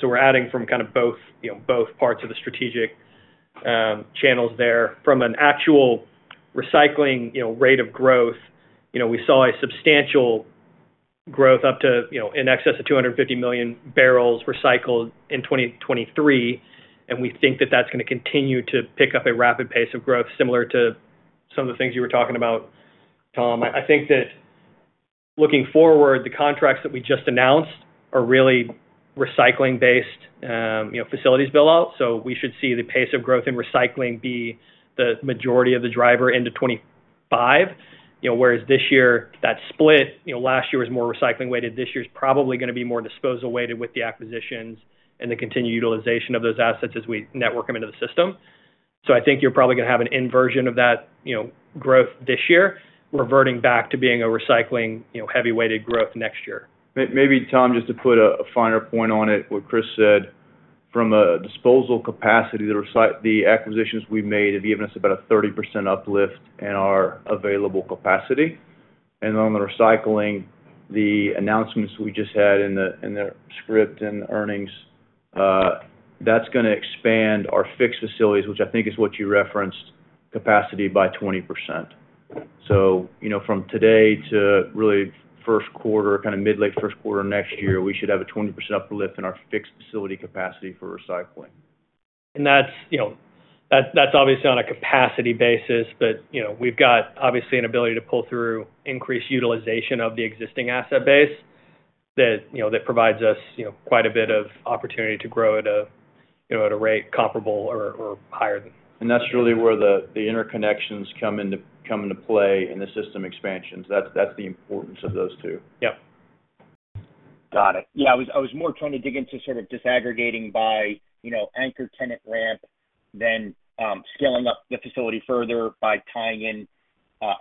Speaker 3: So we're adding from kind of both, you know, both parts of the strategic channels there. From an actual recycling, you know, rate of growth, you know, we saw a substantial growth up to, you know, in excess of 250 million barrels recycled in 2023, and we think that that's gonna continue to pick up a rapid pace of growth, similar to some of the things you were talking about, Tom. I think that looking forward, the contracts that we just announced are really recycling-based, you know, facilities build out. So we should see the pace of growth in recycling be the majority of the driver into 2025. You know, whereas this year, that split, you know, last year was more recycling weighted. This year's probably gonna be more disposal weighted with the acquisitions and the continued utilization of those assets as we network them into the system. I think you're probably gonna have an inversion of that, you know, growth this year, reverting back to being a recycling, you know, heavy weighted growth next year.
Speaker 5: Maybe, Tom, just to put a finer point on it, what Chris said, from a disposal capacity, the acquisitions we've made have given us about a 30% uplift in our available capacity. And on the recycling, the announcements we just had in the script and earnings, that's gonna expand our fixed facilities, which I think is what you referenced, capacity by 20%. So, you know, from today to really Q1, kind of mid-late Q1 next year, we should have a 20% uplift in our fixed facility capacity for recycling.
Speaker 3: That's, you know, that's obviously on a capacity basis, but, you know, we've got obviously an ability to pull through increased utilization of the existing asset base that, you know, that provides us, you know, quite a bit of opportunity to grow at a, you know, at a rate comparable or, or higher than.
Speaker 5: That's really where the interconnections come into play in the system expansions. That's the importance of those two.
Speaker 3: Yep.
Speaker 8: Got it. Yeah, I was more trying to dig into sort of disaggregating by, you know, anchor tenant ramp, then scaling up the facility further by tying in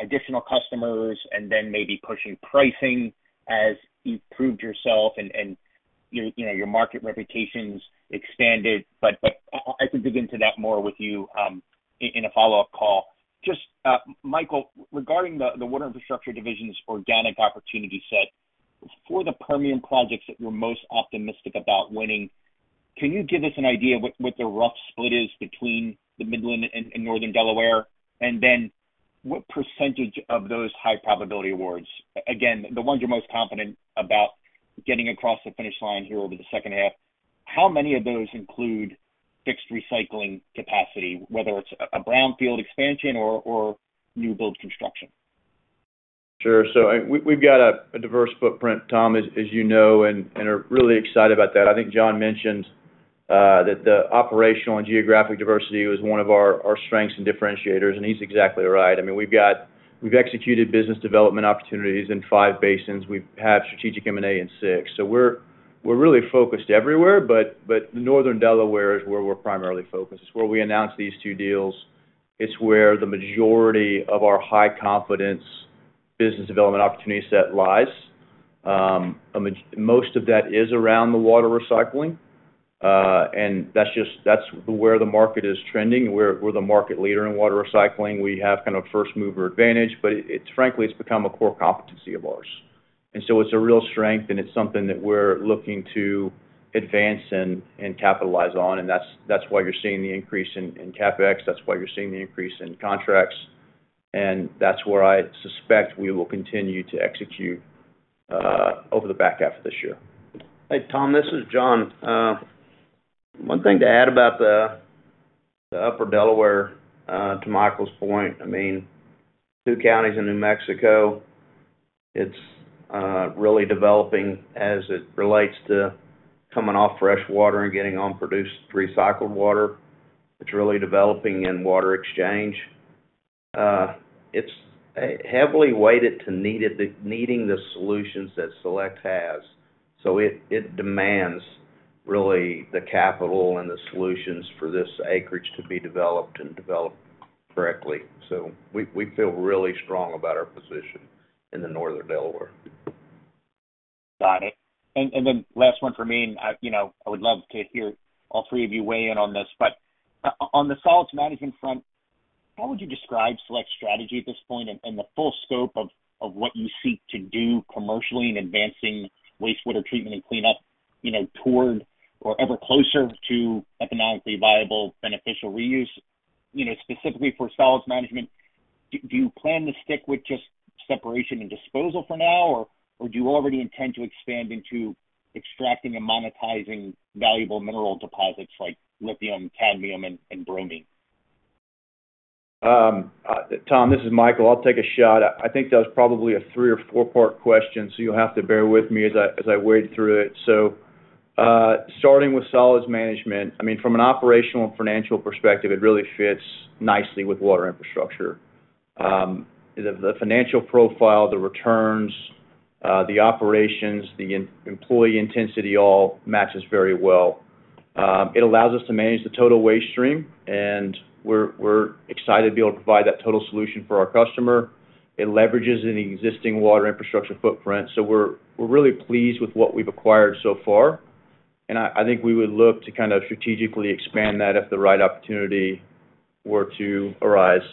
Speaker 8: additional customers and then maybe pushing pricing as you've proved yourself and your market reputation's expanded. But I can dig into that more with you in a follow-up call. Just, Michael, regarding the Water Infrastructure division's organic opportunity set, for the Permian projects that you're most optimistic about winning, can you give us an idea what the rough split is between the Midland and Northern Delaware? And then, what percentage of those high probability awards, again, the ones you're most confident about getting across the finish line here over the second half, how many of those include fixed recycling capacity, whether it's a, a brownfield expansion or, or new build construction?
Speaker 5: Sure. So we've got a diverse footprint, Tom, as you know, and are really excited about that. I think John mentioned that the operational and geographic diversity was one of our strengths and differentiators, and he's exactly right. I mean, we've executed business development opportunities in five basins. We've had strategic M&A in six. So we're really focused everywhere, but northern Delaware is where we're primarily focused. It's where we announced these two deals. It's where the majority of our high confidence business development opportunity set lies. Most of that is around the water recycling, and that's just, that's where the market is trending. We're the market leader in water recycling. We have kind of first-mover advantage, but it's, frankly, it's become a core competency of ours. And so it's a real strength, and it's something that we're looking to advance and capitalize on, and that's why you're seeing the increase in CapEx. That's why you're seeing the increase in contracts... and that's where I suspect we will continue to execute over the back half of this year.
Speaker 2: Hey, Tom, this is John. One thing to add about the Northern Delaware, to Michael's point, I mean, two counties in New Mexico, it's really developing as it relates to coming off freshwater and getting on produced recycled water. It's really developing in water exchange. It's heavily weighted to needing the solutions that Select has, so it demands, really, the capital and the solutions for this acreage to be developed and developed correctly. So we feel really strong about our position in the Northern Delaware.
Speaker 8: Got it. And then last one for me, and I, you know, I would love to hear all three of you weigh in on this. But on the solids management front, how would you describe Select's strategy at this point and the full scope of what you seek to do commercially in advancing wastewater treatment and cleanup, you know, toward or ever closer to economically viable, beneficial reuse? You know, specifically for solids management, do you plan to stick with just separation and disposal for now, or do you already intend to expand into extracting and monetizing valuable mineral deposits like lithium, cadmium, and bromine?
Speaker 5: Tom, this is Michael. I'll take a shot. I think that was probably a 3- or 4-part question, so you'll have to bear with me as I wade through it. So, starting with solids management, I mean, from an operational and financial perspective, it really fits nicely with water infrastructure. The financial profile, the returns, the operations, the employee intensity all matches very well. It allows us to manage the total waste stream, and we're excited to be able to provide that total solution for our customer. It leverages an existing water infrastructure footprint, so we're really pleased with what we've acquired so far. And I think we would look to kind of strategically expand that if the right opportunity were to arise.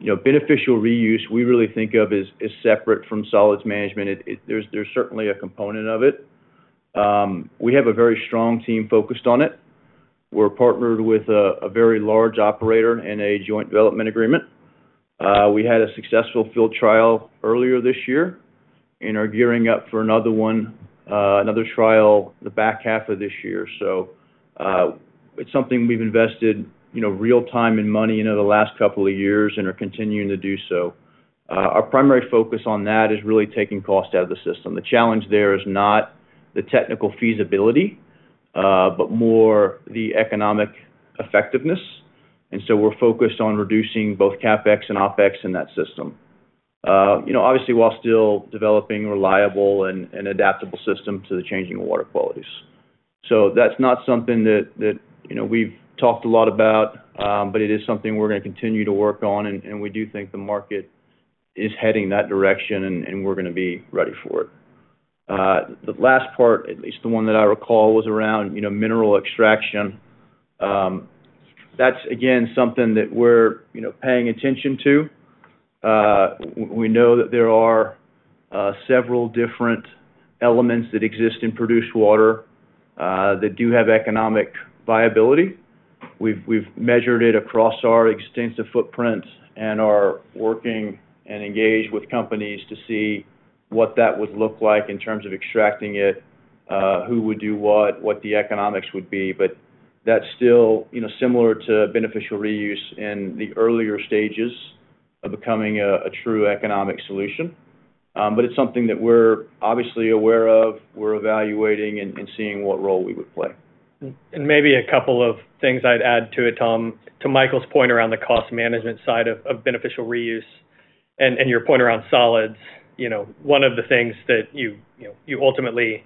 Speaker 5: You know, beneficial reuse, we really think of as separate from solids management. There's certainly a component of it. We have a very strong team focused on it. We're partnered with a very large operator in a joint development agreement. We had a successful field trial earlier this year and are gearing up for another one, another trial, the back half of this year. So, it's something we've invested, you know, real time and money in over the last couple of years and are continuing to do so. Our primary focus on that is really taking cost out of the system. The challenge there is not the technical feasibility, but more the economic effectiveness, and so we're focused on reducing both CapEx and OpEx in that system. You know, obviously, while still developing reliable and adaptable system to the changing water qualities. So that's not something that, you know, we've talked a lot about, but it is something we're gonna continue to work on, and we do think the market is heading that direction, and we're gonna be ready for it. The last part, at least the one that I recall, was around, you know, mineral extraction. That's again, something that we're, you know, paying attention to. We know that there are several different elements that exist in produced water that do have economic viability. We've measured it across our extensive footprint and are working and engaged with companies to see what that would look like in terms of extracting it, who would do what, what the economics would be. But that's still, you know, similar to beneficial reuse in the earlier stages of becoming a true economic solution. But it's something that we're obviously aware of, we're evaluating and seeing what role we would play.
Speaker 3: Maybe a couple of things I'd add to it, Tom. To Michael's point around the cost management side of beneficial reuse and your point around solids, you know, one of the things that you ultimately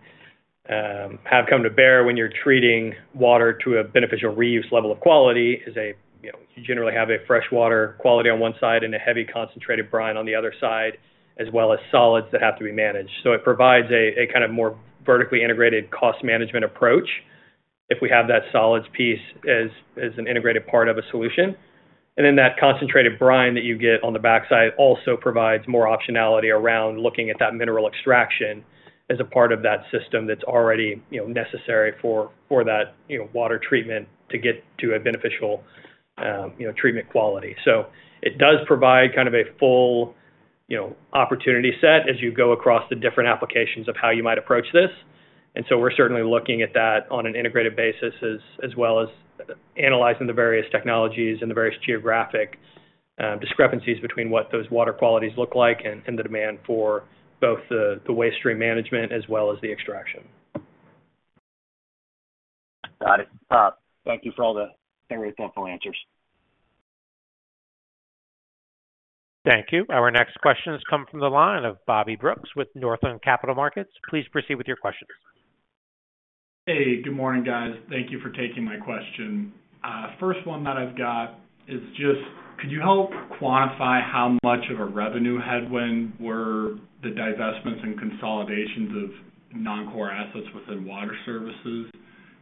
Speaker 3: have come to bear when you're treating water to a beneficial reuse level of quality is, you know, you generally have a fresh water quality on one side and a heavy concentrated brine on the other side, as well as solids that have to be managed. So it provides a kind of more vertically integrated cost management approach if we have that solids piece as an integrated part of a solution. And then that concentrated brine that you get on the backside also provides more optionality around looking at that mineral extraction as a part of that system that's already, you know, necessary for that, you know, water treatment to get to a beneficial, you know, treatment quality. So it does provide kind of a full, you know, opportunity set as you go across the different applications of how you might approach this. And so we're certainly looking at that on an integrated basis, as well as analyzing the various technologies and the various geographic discrepancies between what those water qualities look like and the demand for both the waste stream management as well as the extraction.
Speaker 2: Got it. Thank you for all the very thoughtful answers.
Speaker 1: Thank you. Our next questions come from the line of Bobby Brooks with Northland Capital Markets. Please proceed with your questions.
Speaker 9: Hey, good morning, guys. Thank you for taking my question. First one that I've got is just, could you help quantify how much of a revenue headwind were the divestments and consolidations of non-core assets within Water Services?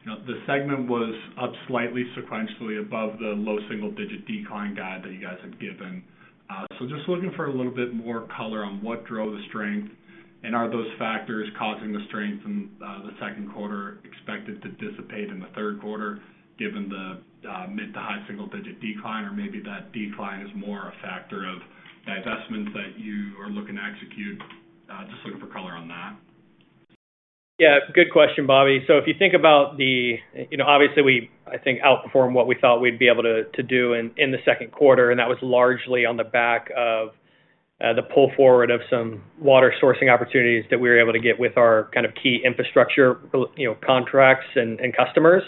Speaker 9: You know, the segment was up slightly sequentially above the low-single-digit decline guide that you guys have given. So just looking for a little bit more color on what drove the strength, and are those factors causing the strength in the Q2 expected to dissipate in the Q3, given the mid- to high-single-digit decline? Or maybe that decline is more a factor of divestments that you are looking to execute. Just looking for color on that....
Speaker 3: Yeah, good question, Bobby. So if you think about the, you know, obviously, we, I think, outperformed what we thought we'd be able to do in the Q2, and that was largely on the back of the pull forward of some water sourcing opportunities that we were able to get with our kind of key infrastructure, you know, contracts and customers.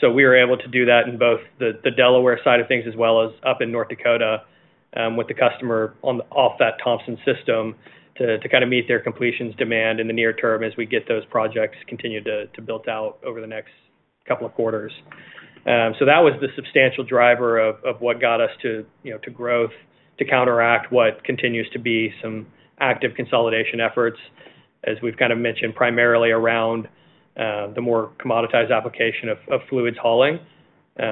Speaker 3: So we were able to do that in both the Delaware side of things as well as up in North Dakota, with the customer off that Thompson system, to kind of meet their completions demand in the near term as we get those projects continued to built out over the next couple of quarters. So that was the substantial driver of what got us to, you know, to growth, to counteract what continues to be some active consolidation efforts, as we've kind of mentioned, primarily around the more commoditized application of fluids hauling. You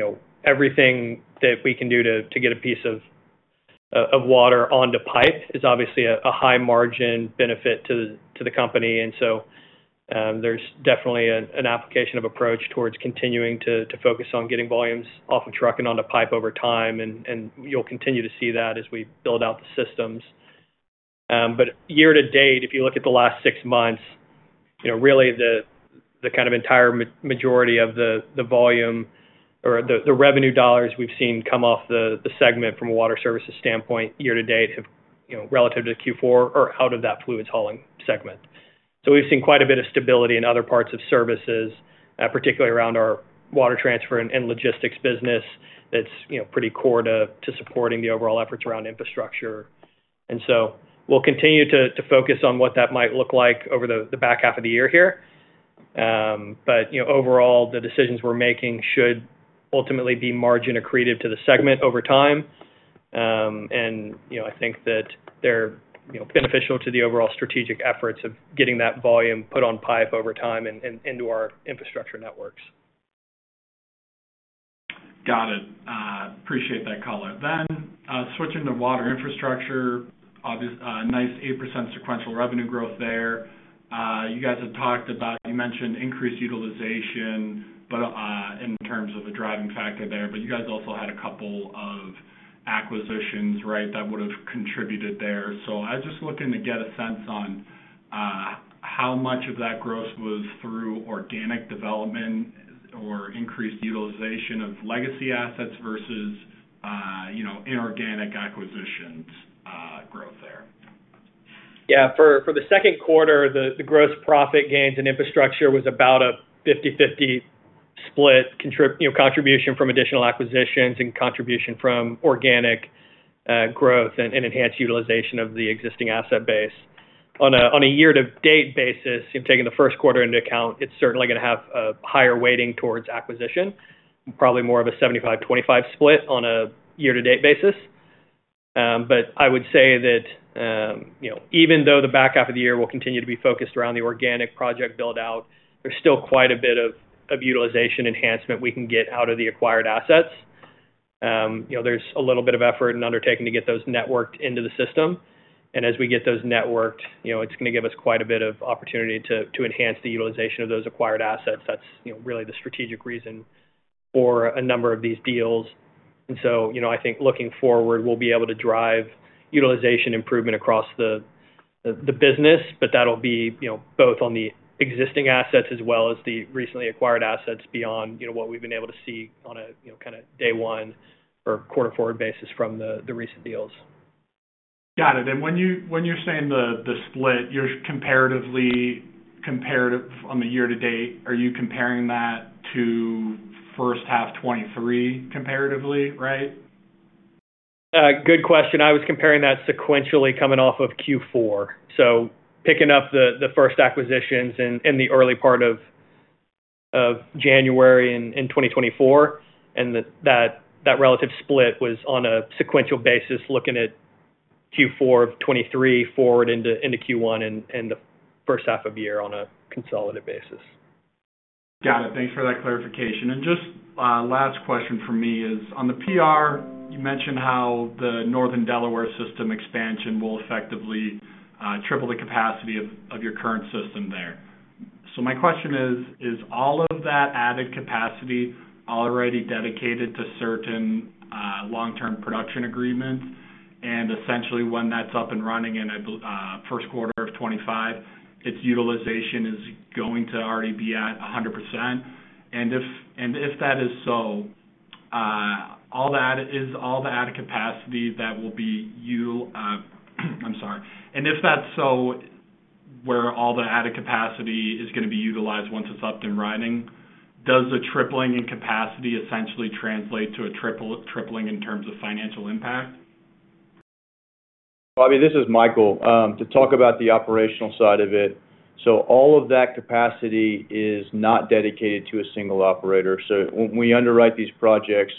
Speaker 3: know, everything that we can do to get a piece of water onto pipe is obviously a high margin benefit to the company. And so, there's definitely an application of approach towards continuing to focus on getting volumes off of truck and onto pipe over time, and you'll continue to see that as we build out the systems. But year to date, if you look at the last six months, you know, really, the kind of entire majority of the volume or the revenue dollars we've seen come off the segment from a water services standpoint year to date have, you know, relative to Q4, are out of that fluids hauling segment. So we've seen quite a bit of stability in other parts of services, particularly around our water transfer and logistics business. That's, you know, pretty core to supporting the overall efforts around infrastructure. And so we'll continue to focus on what that might look like over the back half of the year here. But, you know, overall, the decisions we're making should ultimately be margin accretive to the segment over time. You know, I think that they're, you know, beneficial to the overall strategic efforts of getting that volume put on pipe over time and into our infrastructure networks.
Speaker 9: Got it. Appreciate that color. Then, switching to Water Infrastructure, obviously nice 8% sequential revenue growth there. You guys have talked about... You mentioned increased utilization, but, in terms of the driving factor there, but you guys also had a couple of acquisitions, right, that would have contributed there. So I was just looking to get a sense on, how much of that growth was through organic development or increased utilization of legacy assets versus, you know, inorganic acquisitions, growth there?
Speaker 3: Yeah. For the Q2, the gross profit gains in infrastructure was about a 50/50 split, you know, contribution from additional acquisitions and contribution from organic growth and enhanced utilization of the existing asset base. On a year-to-date basis, you've taken the Q1 into account, it's certainly going to have a higher weighting towards acquisition, probably more of a 75/25 split on a year-to-date basis. But I would say that, you know, even though the back half of the year will continue to be focused around the organic project build-out, there's still quite a bit of utilization enhancement we can get out of the acquired assets. You know, there's a little bit of effort and undertaking to get those networked into the system. As we get those networked, you know, it's going to give us quite a bit of opportunity to enhance the utilization of those acquired assets. That's, you know, really the strategic reason for a number of these deals. And so, you know, I think looking forward, we'll be able to drive utilization improvement across the business, but that'll be, you know, both on the existing assets as well as the recently acquired assets beyond, you know, what we've been able to see on a, you know, kind of day one or quarter forward basis from the recent deals.
Speaker 9: Got it. And when you're saying the split, you're comparative on the year to date, are you comparing that to first half 2023 comparatively, right?
Speaker 3: Good question. I was comparing that sequentially coming off of Q4. So picking up the first acquisitions in the early part of January in 2024, and that relative split was on a sequential basis, looking at Q4 of 2023 forward into Q1 and the first half of the year on a consolidated basis.
Speaker 9: Got it. Thanks for that clarification. And just last question from me is: on the PR, you mentioned how the Northern Delaware system expansion will effectively triple the capacity of your current system there. So my question is: Is all of that added capacity already dedicated to certain long-term production agreements? And essentially, when that's up and running in Q1 of 2025, its utilization is going to already be at 100%. And if that is so, all the added capacity that will be you, I'm sorry. And if that's so, where all the added capacity is going to be utilized once it's up and running, does the tripling in capacity essentially translate to a tripling in terms of financial impact?
Speaker 5: Bobby, this is Michael. To talk about the operational side of it. So all of that capacity is not dedicated to a single operator. So when we underwrite these projects,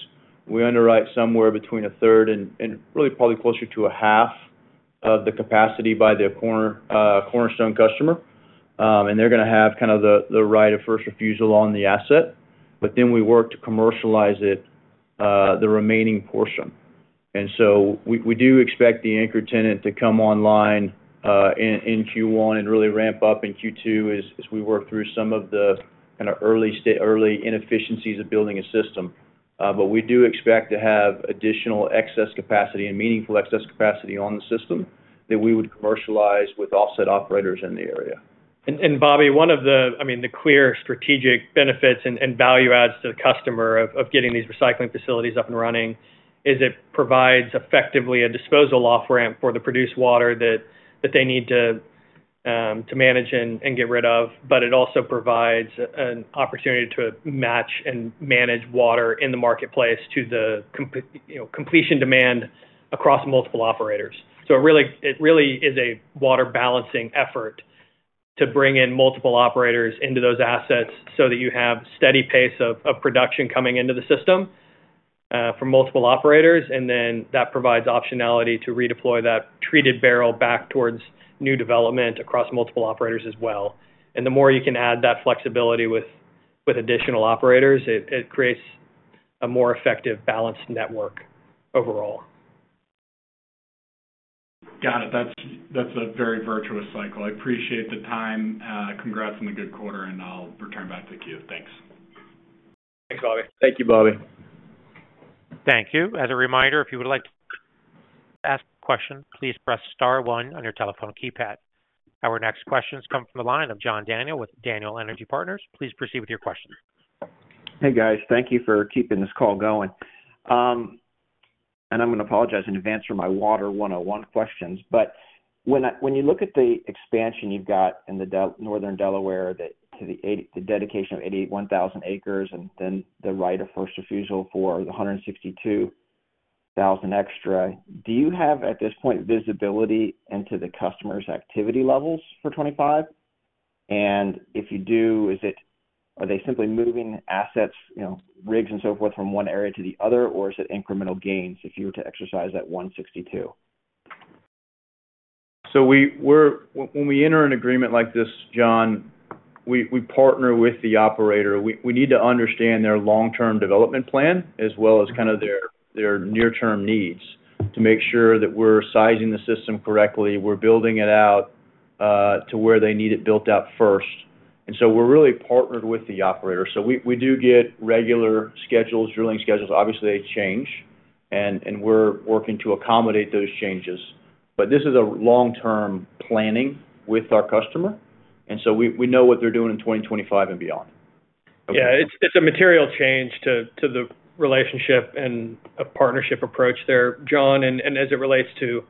Speaker 5: we underwrite somewhere between a third and really probably closer to a half of the capacity by the cornerstone customer. And they're going to have kind of the right of first refusal on the asset, but then we work to commercialize the remaining portion. And so we do expect the anchor tenant to come online in Q1 and really ramp up in Q2 as we work through some of the kind of early inefficiencies of building a system. ... but we do expect to have additional excess capacity and meaningful excess capacity on the system that we would commercialize with offset operators in the area.
Speaker 3: Bobby, one of the, I mean, the clear strategic benefits and value adds to the customer of getting these recycling facilities up and running is it provides effectively a disposal off-ramp for the produced water that they need to manage and get rid of. But it also provides an opportunity to match and manage water in the marketplace to the comp-- you know, completion demand across multiple operators. So it really is a water balancing effort to bring in multiple operators into those assets so that you have steady pace of production coming into the system from multiple operators, and then that provides optionality to redeploy that treated barrel back towards new development across multiple operators as well. And the more you can add that flexibility with additional operators, it creates a more effective balanced network overall.
Speaker 9: Got it. That's, that's a very virtuous cycle. I appreciate the time. Congrats on the good quarter, and I'll return back to you. Thanks.
Speaker 3: Thanks, Bobby.
Speaker 2: Thank you, Bobby.
Speaker 1: Thank you. As a reminder, if you would like to ask a question, please press star one on your telephone keypad. Our next questions come from the line of John Daniel with Daniel Energy Partners. Please proceed with your question.
Speaker 10: Hey, guys. Thank you for keeping this call going. And I'm gonna apologize in advance for my Water 101 questions, but when you look at the expansion you've got in the Northern Delaware, that to the dedication of 81,000 acres and then the right of first refusal for the 162,000 extra, do you have, at this point, visibility into the customer's activity levels for 2025? And if you do, is it—are they simply moving assets, you know, rigs and so forth, from one area to the other, or is it incremental gains if you were to exercise that 162?
Speaker 2: So when we enter an agreement like this, John, we, we partner with the operator. We, we need to understand their long-term development plan, as well as kind of their, their near-term needs, to make sure that we're sizing the system correctly, we're building it out to where they need it built out first. And so we're really partnered with the operator. So we, we do get regular schedules, drilling schedules. Obviously, they change, and, and we're working to accommodate those changes. But this is a long-term planning with our customer, and so we, we know what they're doing in 2025 and beyond.
Speaker 3: Yeah, it's a material change to the relationship and a partnership approach there, John. And as it relates to,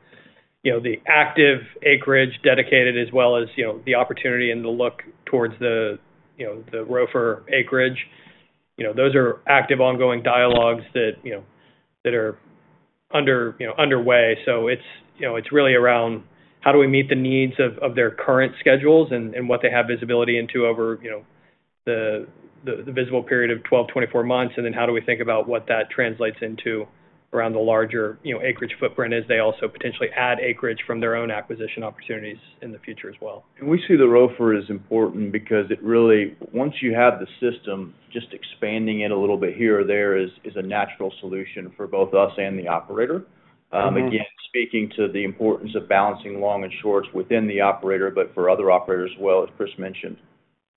Speaker 3: you know, the active acreage dedicated as well as, you know, the opportunity and the look towards the, you know, the ROFR acreage, you know, those are active, ongoing dialogues that, you know, that are underway. So it's, you know, really around how do we meet the needs of their current schedules and what they have visibility into over, you know, the visible period of 12-24 months, and then how do we think about what that translates into around the larger, you know, acreage footprint as they also potentially add acreage from their own acquisition opportunities in the future as well.
Speaker 5: We see the ROFR as important because it really, once you have the system, just expanding it a little bit here or there is a natural solution for both us and the operator.
Speaker 10: Mm-hmm.
Speaker 5: Again, speaking to the importance of balancing long and shorts within the operator, but for other operators as well, as Chris mentioned.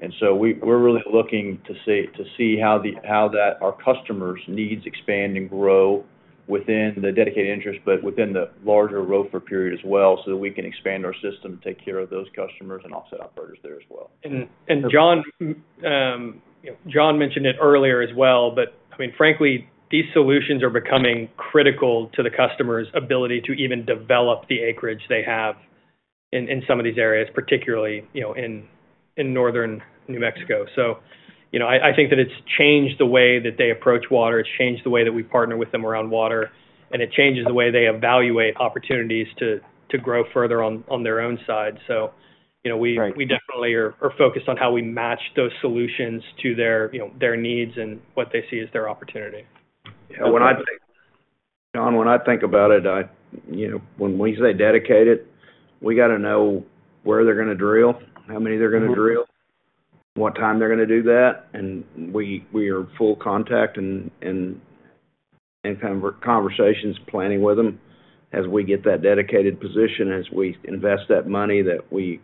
Speaker 5: And so we're really looking to see how that our customers' needs expand and grow within the dedicated interest, but within the larger ROFR period as well, so that we can expand our system to take care of those customers and offset operators there as well.
Speaker 3: And John, you know, John mentioned it earlier as well, but I mean, frankly, these solutions are becoming critical to the customer's ability to even develop the acreage they have in some of these areas, particularly, you know, in northern New Mexico. So, you know, I think that it's changed the way that they approach water, it's changed the way that we partner with them around water, and it changes the way they evaluate opportunities to grow further on their own side. So, you know-
Speaker 10: Right...
Speaker 3: we definitely are focused on how we match those solutions to their, you know, their needs and what they see as their opportunity.
Speaker 2: Yeah, John, when I think about it, I, you know, when we say dedicated, we got to know where they're gonna drill, how many they're gonna drill-
Speaker 10: Mm-hmm.
Speaker 2: What time they're gonna do that, and we are in full contact and conversations, planning with them as we get that dedicated position, as we invest that money that we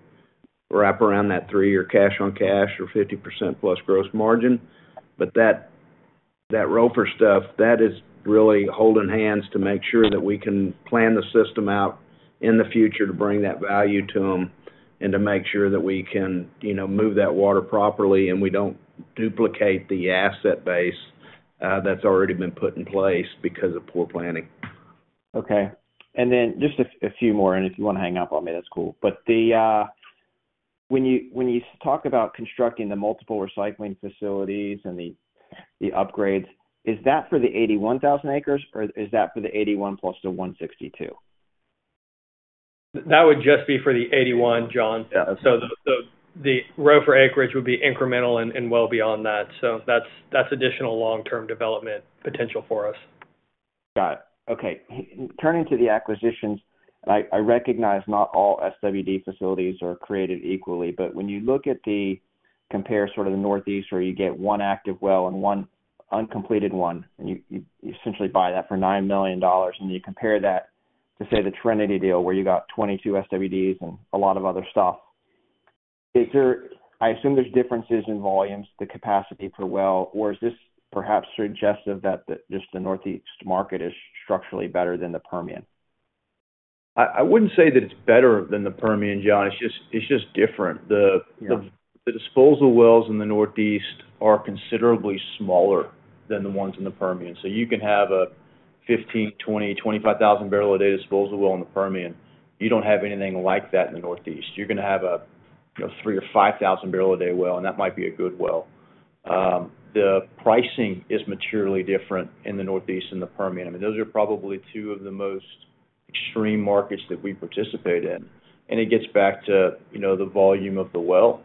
Speaker 2: wrap around that three-year cash on cash or 50% plus gross margin. But that ROFR stuff, that is really holding hands to make sure that we can plan the system out in the future to bring that value to them, and to make sure that we can, you know, move that water properly and we don't duplicate the asset base that's already been put in place because of poor planning.
Speaker 10: Okay. And then just a few more, and if you want to hang up on me, that's cool. But when you talk about constructing the multiple recycling facilities and the upgrades, is that for the 81,000 acres, or is that for the 81,000 plus the 162?
Speaker 3: That would just be for the 81, John.
Speaker 10: Yeah.
Speaker 3: So the ROFR acreage would be incremental and well beyond that. So that's additional long-term development potential for us.
Speaker 10: Got it. Okay. Turning to the acquisitions, I recognize not all SWD facilities are created equally, but when you look at the, compare sort of the Northeast, where you get one active well and one uncompleted one, and you essentially buy that for $9 million, and you compare that to, say, the Trinity deal, where you got 22 SWDs and a lot of other stuff... Is there, I assume there's differences in volumes, the capacity per well, or is this perhaps suggestive that the, just the Northeast market is structurally better than the Permian?
Speaker 2: I wouldn't say that it's better than the Permian, John. It's just different.
Speaker 10: Yeah.
Speaker 2: The disposal wells in the Northeast are considerably smaller than the ones in the Permian. So you can have a 15, 20, 25 thousand barrel a day disposal well in the Permian. You don't have anything like that in the Northeast. You're gonna have a, you know, 3 or 5 thousand barrel a day well, and that might be a good well. The pricing is materially different in the Northeast and the Permian. I mean, those are probably two of the most extreme markets that we participate in, and it gets back to, you know, the volume of the well.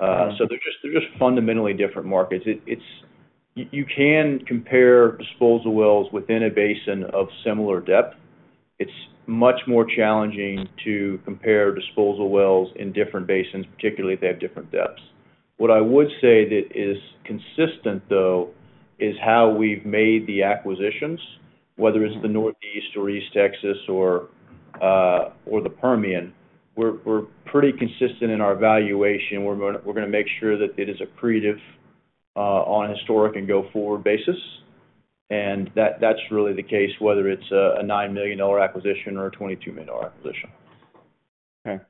Speaker 10: Mm-hmm.
Speaker 2: So they're just, they're just fundamentally different markets. It's-- you can compare disposal wells within a basin of similar depth. It's much more challenging to compare disposal wells in different basins, particularly if they have different depths. What I would say that is consistent, though, is how we've made the acquisitions, whether it's the Northeast or East Texas or the Permian. We're pretty consistent in our valuation. We're gonna make sure that it is accretive on a historic and go-forward basis. And that's really the case, whether it's a $9 million acquisition or a $22 million acquisition.
Speaker 10: Okay.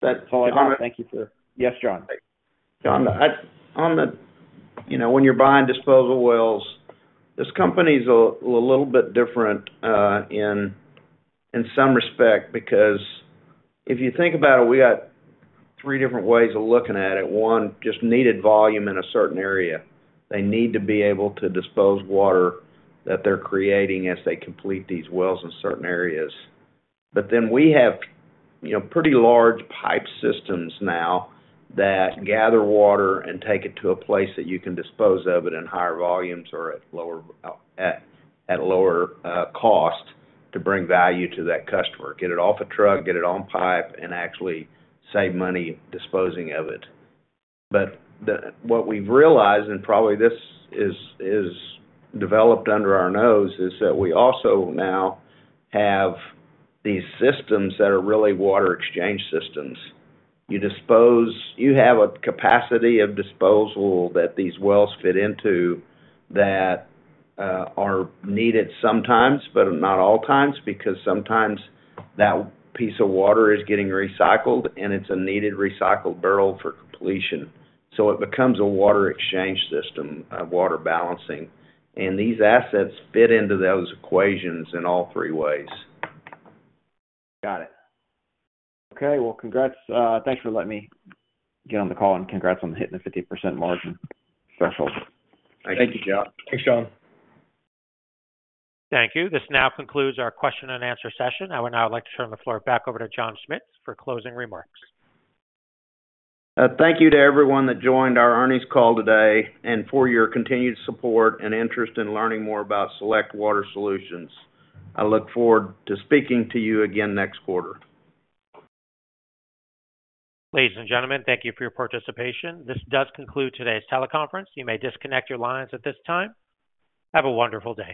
Speaker 10: That's all I have.
Speaker 2: John?
Speaker 10: Thank you, sir. Yes, John.
Speaker 2: John, on the, you know, when you're buying disposal wells, this company's a little bit different in some respect, because if you think about it, we got three different ways of looking at it. One, just needed volume in a certain area. They need to be able to dispose water that they're creating as they complete these wells in certain areas. But then we have, you know, pretty large pipe systems now that gather water and take it to a place that you can dispose of it in higher volumes or at lower cost to bring value to that customer. Get it off a truck, get it on pipe, and actually save money disposing of it. But the... What we've realized, and probably this is, is developed under our nose, is that we also now have these systems that are really water exchange systems. You have a capacity of disposal that these wells fit into, that are needed sometimes, but not all times, because sometimes that piece of water is getting recycled, and it's a needed recycled barrel for completion. So it becomes a water exchange system of water balancing, and these assets fit into those equations in all three ways.
Speaker 10: Got it. Okay, well, congrats. Thanks for letting me get on the call, and congrats on hitting the 50% margin threshold.
Speaker 2: Thank you, John. Thanks, John.
Speaker 1: Thank you. This now concludes our question and answer session. I would now like to turn the floor back over to John Schmitz for closing remarks.
Speaker 2: Thank you to everyone that joined our earnings call today, and for your continued support and interest in learning more about Select Water Solutions. I look forward to speaking to you again next quarter.
Speaker 1: Ladies and gentlemen, thank you for your participation. This does conclude today's teleconference. You may disconnect your lines at this time. Have a wonderful day.